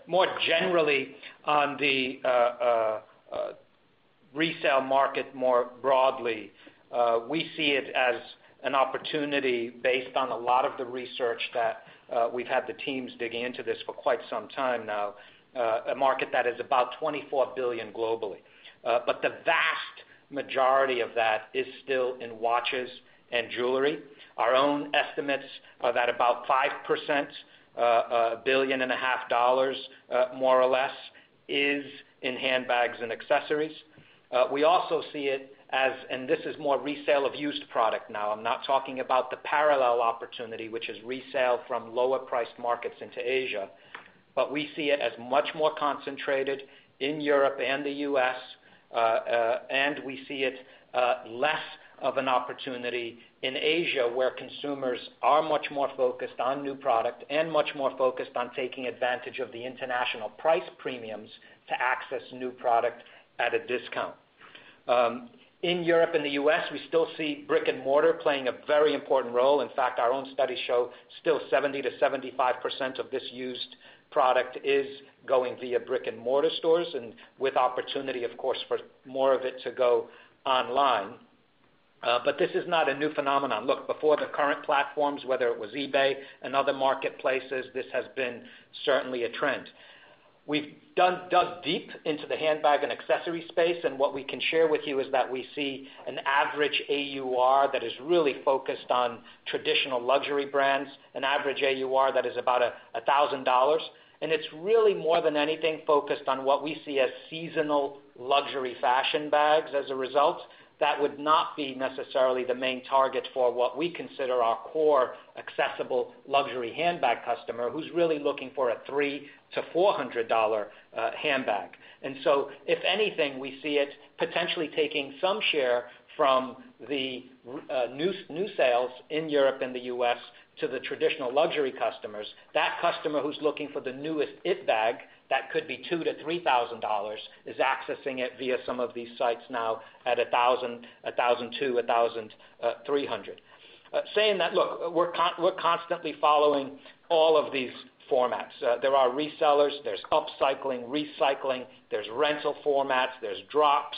More generally on the resale market, more broadly, we see it as an opportunity based on a lot of the research that we've had the teams digging into this for quite some time now. A market that is about $24 billion globally. The vast majority of that is still in watches and jewelry. Our own estimates are that about 5%, $1.5 billion, more or less, is in handbags and accessories. We also see it as, and this is more resale of used product now, I'm not talking about the parallel opportunity, which is resale from lower priced markets into Asia. We see it as much more concentrated in Europe and the U.S., and we see it less of an opportunity in Asia, where consumers are much more focused on new product and much more focused on taking advantage of the international price premiums to access new product at a discount. In Europe and the U.S., we still see brick and mortar playing a very important role. In fact, our own studies show still 70%-75% of this used product is going via brick and mortar stores, and with opportunity, of course, for more of it to go online. This is not a new phenomenon. Look, before the current platforms, whether it was eBay and other marketplaces, this has been certainly a trend. We've dug deep into the handbag and accessory space, what we can share with you is that we see an average AUR that is really focused on traditional luxury brands. An average AUR that is about $1,000. It's really more than anything, focused on what we see as seasonal luxury fashion bags as a result. That would not be necessarily the main target for what we consider our core accessible luxury handbag customer who's really looking for a $300-$400 handbag. If anything, we see it potentially taking some share from the new sales in Europe and the U.S. to the traditional luxury customers. That customer who's looking for the newest It bag that could be $2,000-$3,000, is accessing it via some of these sites now at $1,000, $1,200, $1,300. Saying that, look, we're constantly following all of these formats. There are resellers, there's upcycling, recycling, there's rental formats, there's drops,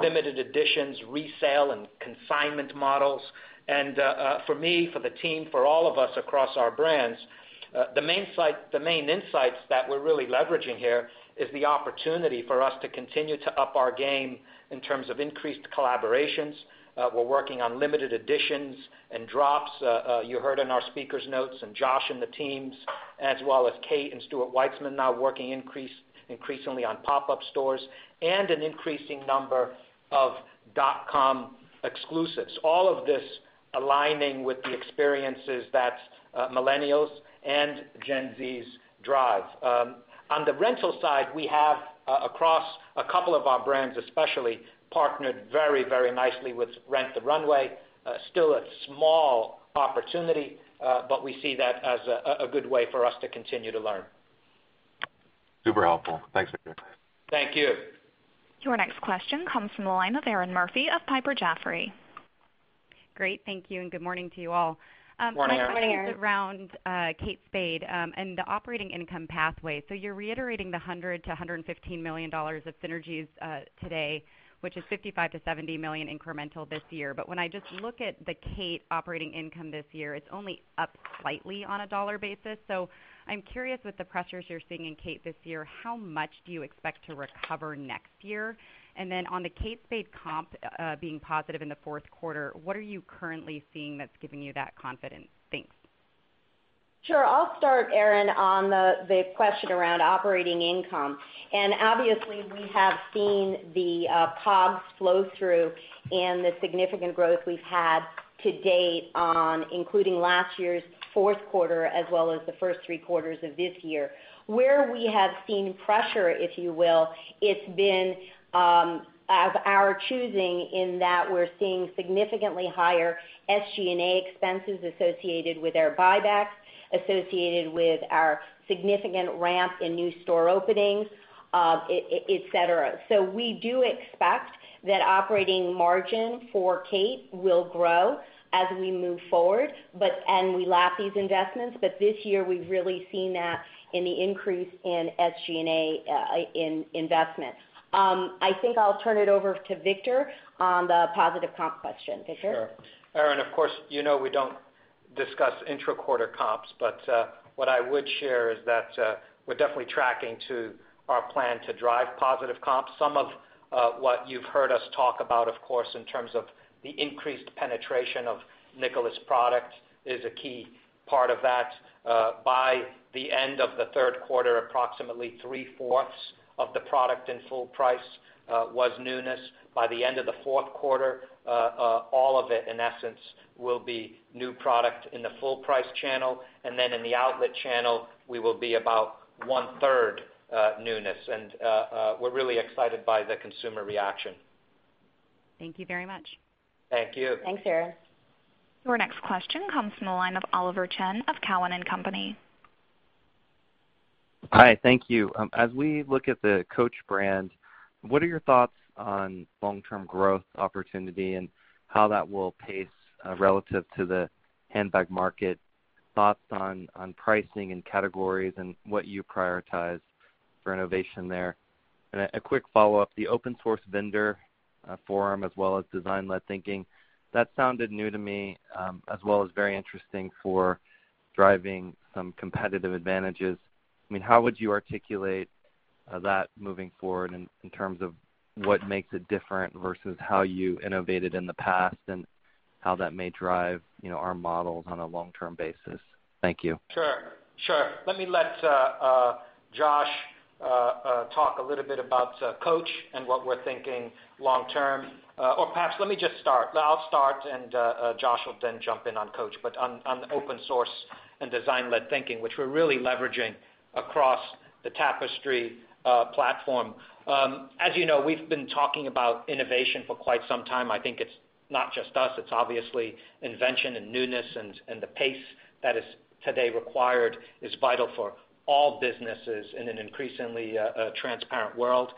limited editions, resale, and consignment models. For me, for the team, for all of us across our brands, the main insights that we're really leveraging here is the opportunity for us to continue to up our game in terms of increased collaborations. We're working on limited editions and drops. You heard in our speakers notes and Josh and the teams, as well as Kate Spade and Stuart Weitzman now working increasingly on pop-up stores and an increasing number of dotcom exclusives. All of this aligning with the experiences that millennials and Gen Zs drive. On the rental side, we have, across a couple of our brands, especially partnered very nicely with Rent the Runway. Still a small opportunity, but we see that as a good way for us to continue to learn. Super helpful. Thanks, Victor. Thank you. Your next question comes from the line of Erinn Murphy of Piper Jaffray. Great. Thank you and good morning to you all. Morning, Erinn. My question is around Kate Spade and the operating income pathway. You're reiterating the $100 million-$115 million of synergies today, which is $55 million-$70 million incremental this year. When I just look at the Kate operating income this year, it's only up slightly on a dollar basis. I'm curious, with the pressures you're seeing in Kate this year, how much do you expect to recover next year? On the Kate Spade comp being positive in the fourth quarter, what are you currently seeing that's giving you that confidence? Thanks. Sure. I'll start, Erinn, on the question around operating income. Obviously, we have seen the COGS flow through and the significant growth we've had to date on, including last year's fourth quarter, as well as the first three quarters of this year. Where we have seen pressure, if you will, it's been of our choosing in that we're seeing significantly higher SG&A expenses associated with our buybacks, associated with our significant ramp in new store openings, et cetera. We do expect that operating margin for Kate will grow as we move forward, and we lap these investments. This year, we've really seen that in the increase in SG&A in investments. I think I'll turn it over to Victor on the positive comp question. Victor? Sure. Erinn, of course, you know we don't discuss intra-quarter comps, but what I would share is that we're definitely tracking to our plan to drive positive comps. Some of what you've heard us talk about, of course, in terms of the increased penetration of Nicola product is a key part of that. By the end of the third quarter, approximately three-fourths of the product in full price was newness. By the end of the fourth quarter, all of it, in essence, will be new product in the full price channel. Then in the outlet channel, we will be about one-third newness. We're really excited by the consumer reaction. Thank you very much. Thank you. Thanks, Erinn. Your next question comes from the line of Oliver Chen of Cowen and Company. Hi. Thank you. As we look at the Coach brand, what are your thoughts on long-term growth opportunity and how that will pace relative to the handbag market? Thoughts on pricing and categories and what you prioritize for innovation there. A quick follow-up, the open source vendor forum as well as design-led thinking, that sounded new to me, as well as very interesting for driving some competitive advantages. How would you articulate that moving forward in terms of what makes it different versus how you innovated in the past, and how that may drive our models on a long-term basis? Thank you. Sure. Sure. Let me let Josh talk a little bit about Coach and what we're thinking long term. Perhaps let me just start. I'll start, Josh will then jump in on Coach. On open source and design-led thinking, which we're really leveraging across the Tapestry platform. As you know, we've been talking about innovation for quite some time. I think it's not just us, it's obviously invention and newness, and the pace that is today required is vital for all businesses in an increasingly transparent world.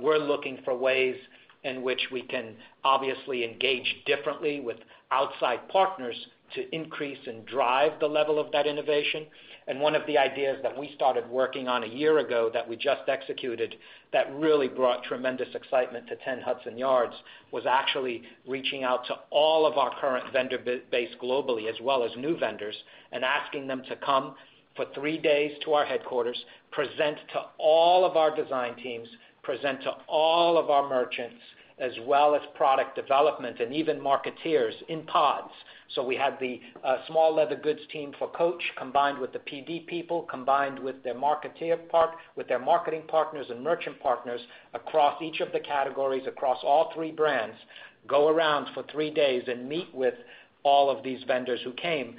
We're looking for ways in which we can obviously engage differently with outside partners to increase and drive the level of that innovation. One of the ideas that we started working on a year ago that we just executed that really brought tremendous excitement to 10 Hudson Yards, was actually reaching out to all of our current vendor base globally, as well as new vendors, and asking them to come for three days to our headquarters, present to all of our design teams. Present to all of our merchants, as well as product development, and even marketeers in pods. We had the small leather goods team for Coach, combined with the PD people, combined with their marketing partners and merchant partners across each of the categories, across all three brands, go around for three days and meet with all of these vendors who came.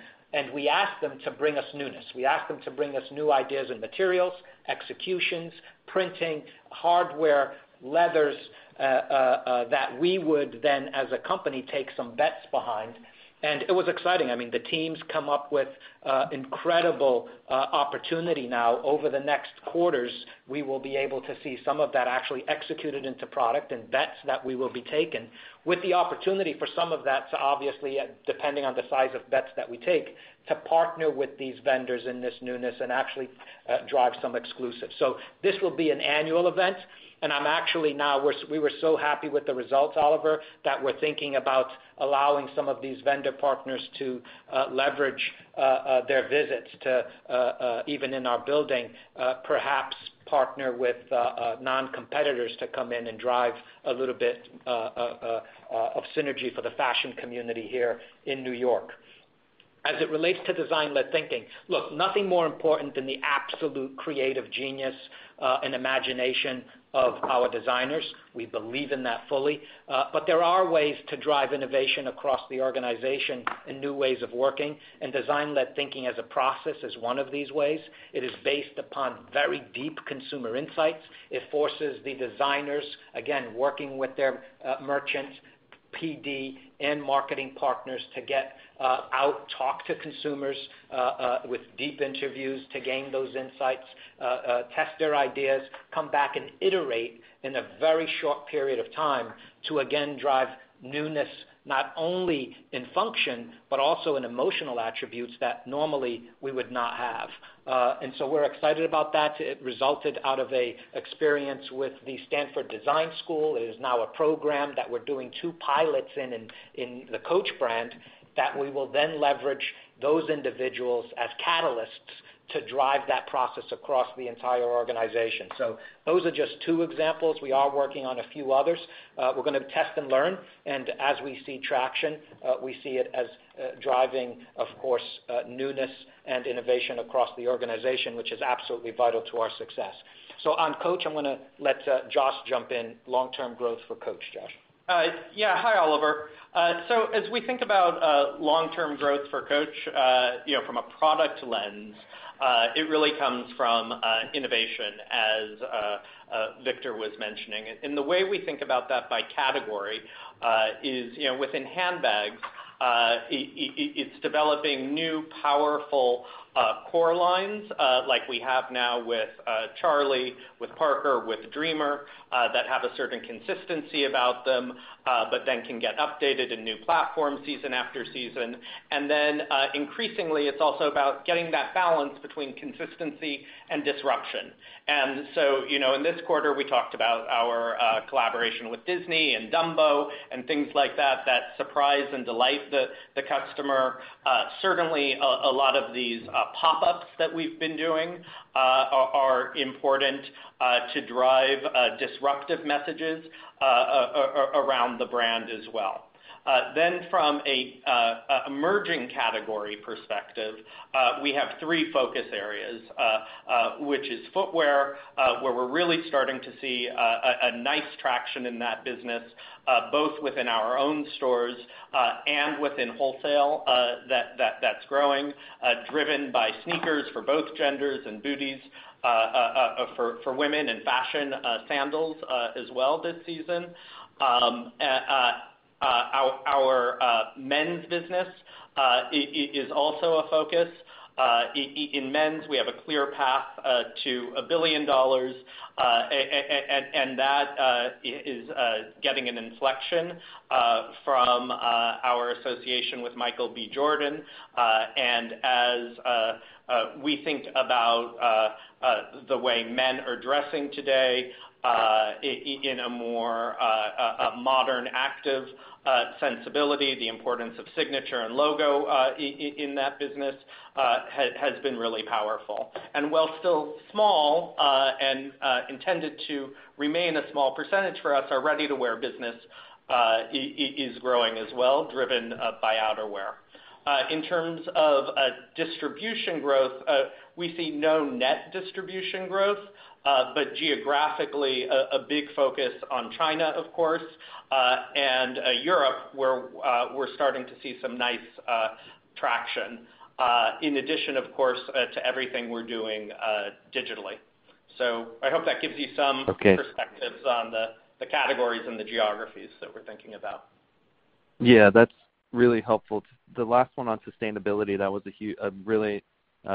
We asked them to bring us newness. We asked them to bring us new ideas and materials, executions, printing, hardware, leathers, that we would then, as a company, take some bets behind. It was exciting. The teams come up with incredible opportunity now. Over the next quarters, we will be able to see some of that actually executed into product and bets that will be taken, with the opportunity for some of that to obviously, depending on the size of bets that we take, to partner with these vendors in this newness and actually drive some exclusives. This will be an annual event. We were so happy with the results, Oliver, that we're thinking about allowing some of these vendor partners to leverage their visits to, even in our building, perhaps partner with non-competitors to come in and drive a little bit of synergy for the fashion community here in New York. As it relates to design-led thinking, look, nothing more important than the absolute creative genius and imagination of our designers. We believe in that fully. There are ways to drive innovation across the organization and new ways of working, and design-led thinking as a process is one of these ways. It is based upon very deep consumer insights. It forces the designers, again, working with their merchants, PD, and marketing partners, to get out, talk to consumers with deep interviews to gain those insights, test their ideas, come back and iterate in a very short period of time to again drive newness, not only in function, but also in emotional attributes that normally we would not have. We're excited about that. It resulted out of an experience with the Stanford Design School. It is now a program that we're doing two pilots in in the Coach brand, that we will then leverage those individuals as catalysts to drive that process across the entire organization. Those are just two examples. We are working on a few others. We're going to test and learn, and as we see traction, we see it as driving, of course, newness and innovation across the organization, which is absolutely vital to our success. On Coach, I'm going to let Josh Schulman jump in. Long-term growth for Coach, Josh Schulman. Yeah. Hi, Oliver Chen. As we think about long-term growth for Coach from a product lens, it really comes from innovation as Victor Luis was mentioning. The way we think about that by category, is within handbags, it's developing new, powerful core lines like we have now with Charlie, with Parker, with Dreamer, that have a certain consistency about them, but then can get updated in new platforms season after season. Increasingly, it's also about getting that balance between consistency and disruption. In this quarter, we talked about our collaboration with Disney and Dumbo and things like that that surprise and delight the customer. Certainly, a lot of these pop-ups that we've been doing are important to drive disruptive messages around the brand as well. From an emerging category perspective, we have 3 focus areas, which is footwear where we're really starting to see a nice traction in that business, both within our own stores, and within wholesale, that's growing, driven by sneakers for both genders and booties for women and fashion sandals as well this season. Our men's business is also a focus. In men's, we have a clear path to $1 billion, and that is getting an inflection from our association with Michael B. Jordan. As we think about the way men are dressing today in a more modern, active sensibility, the importance of Signature and logo in that business has been really powerful. While still small, and intended to remain a small percentage for us, our ready-to-wear business is growing as well, driven by outerwear. In terms of distribution growth, we see no net distribution growth, geographically, a big focus on China, of course, and Europe, where we're starting to see some nice traction, in addition, of course, to everything we're doing digitally. I hope that gives you some. Okay perspectives on the categories and the geographies that we're thinking about. Yeah, that's really helpful. The last one on sustainability, that was a really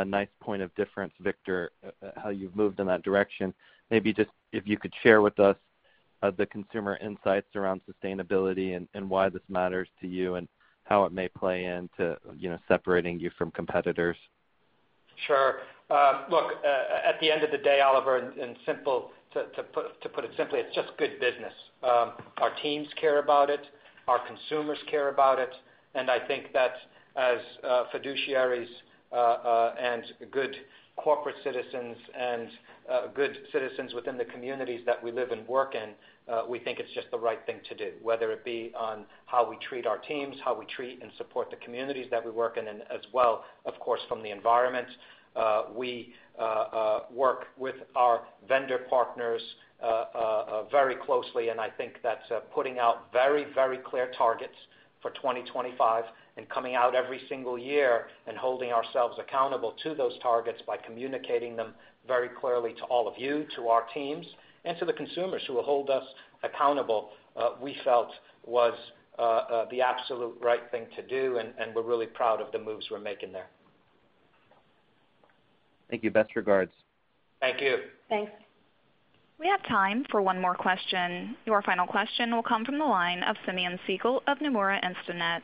nice point of difference, Victor, how you've moved in that direction. Maybe just if you could share with us the consumer insights around sustainability and why this matters to you and how it may play into separating you from competitors. Sure. Look, at the end of the day, Oliver, to put it simply, it's just good business. Our teams care about it, our consumers care about it, and I think that as fiduciaries and good corporate citizens and good citizens within the communities that we live and work in, we think it's just the right thing to do, whether it be on how we treat our teams, how we treat and support the communities that we work in, and as well, of course, from the environment. We work with our vendor partners very closely, and I think that's putting out very clear targets for 2025 and coming out every single year and holding ourselves accountable to those targets by communicating them very clearly to all of you, to our teams, and to the consumers who will hold us accountable, we felt was the absolute right thing to do, and we're really proud of the moves we're making there. Thank you. Best regards. Thank you. Thanks. We have time for one more question. Your final question will come from the line of Simeon Siegel of Nomura Instinet.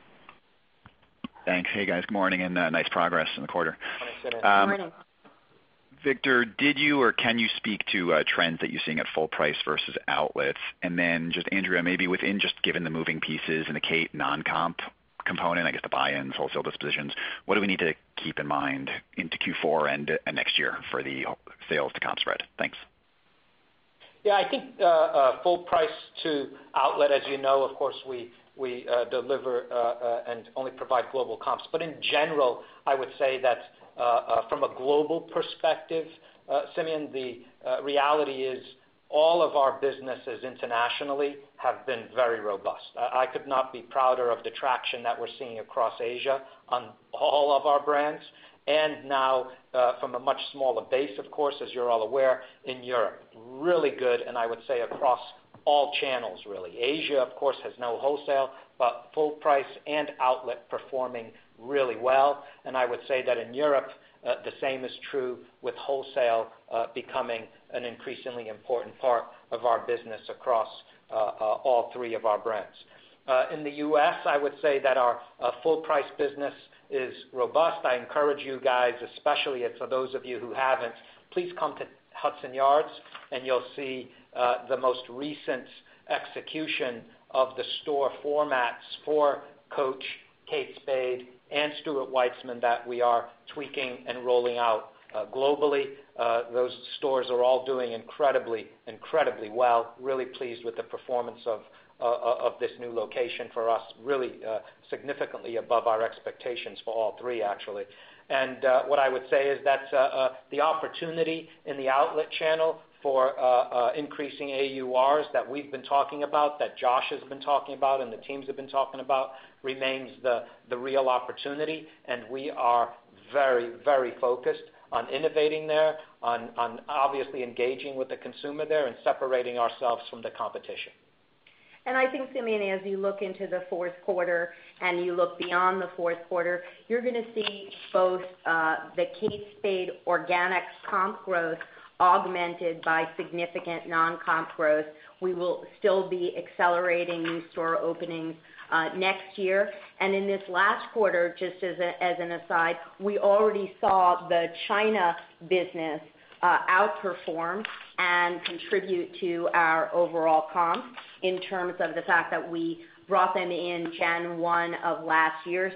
Thanks. Hey, guys. Good morning, and nice progress in the quarter. Hi, Simeon. Good morning. Victor, did you or can you speak to trends that you're seeing at full price versus outlets? Andrea, maybe within just given the moving pieces and the Kate non-comp component, the buy-in, wholesale dispositions, what do we need to keep in mind into Q4 and next year for the sales to comp spread? Thanks. I think full price to outlet, as you know, of course, we deliver, only provide global comps. In general, I would say that, from a global perspective, Simeon, the reality is all of our businesses internationally have been very robust. I could not be prouder of the traction that we're seeing across Asia on all of our brands, now, from a much smaller base, of course, as you're all aware, in Europe. Really good, I would say across all channels, really. Asia, of course, has no wholesale, full price and outlet performing really well. I would say that in Europe, the same is true with wholesale becoming an increasingly important part of our business across all three of our brands. In the U.S., I would say that our full-price business is robust. I encourage you guys, especially for those of you who haven't, please come to Hudson Yards and you'll see the most recent execution of the store formats for Coach, Kate Spade, and Stuart Weitzman that we are tweaking and rolling out globally. Those stores are all doing incredibly well. Really pleased with the performance of this new location for us. Really, significantly above our expectations for all three, actually. What I would say is that the opportunity in the outlet channel for increasing AURs that we've been talking about, that Josh has been talking about, and the teams have been talking about remains the real opportunity, and we are very focused on innovating there, on obviously engaging with the consumer there, and separating ourselves from the competition. I think, Simeon, as you look into the fourth quarter and you look beyond the fourth quarter, you're going to see both the Kate Spade organic comp growth augmented by significant non-comp growth. We will still be accelerating new store openings next year. In this last quarter, just as an aside, we already saw the China business outperform and contribute to our overall comps in terms of the fact that we brought them in January 1 of last year.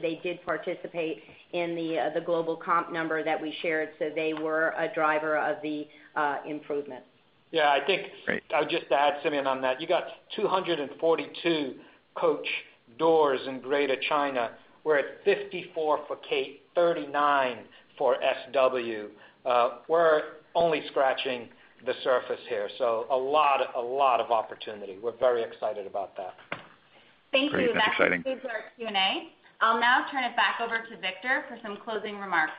They did participate in the global comp number that we shared. They were a driver of the improvement. Yeah, I think just to add, Simeon, on that, you got 242 Coach doors in Greater China. We're at 54 for Kate, 39 for SW. We're only scratching the surface here. A lot of opportunity. We're very excited about that. Thank you. Great. That's exciting. That concludes our Q&A. I'll now turn it back over to Victor for some closing remarks.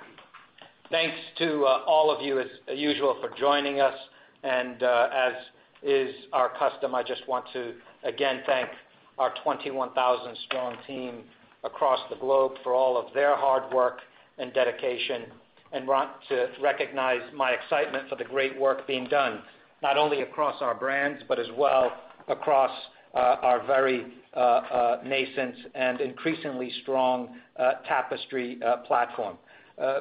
Thanks to all of you, as usual, for joining us. As is our custom, I just want to again thank our 21,000 strong team across the globe for all of their hard work and dedication, and want to recognize my excitement for the great work being done, not only across our brands, but as well across our very nascent and increasingly strong Tapestry platform.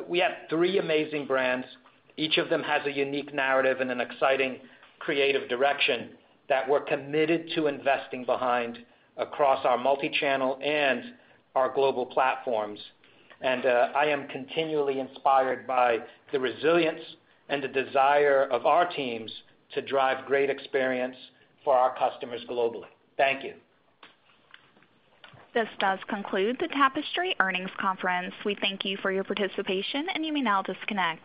We have three amazing brands. Each of them has a unique narrative and an exciting creative direction that we're committed to investing behind across our multichannel and our global platforms. I am continually inspired by the resilience and the desire of our teams to drive great experience for our customers globally. Thank you. This does conclude the Tapestry earnings conference. We thank you for your participation, and you may now disconnect.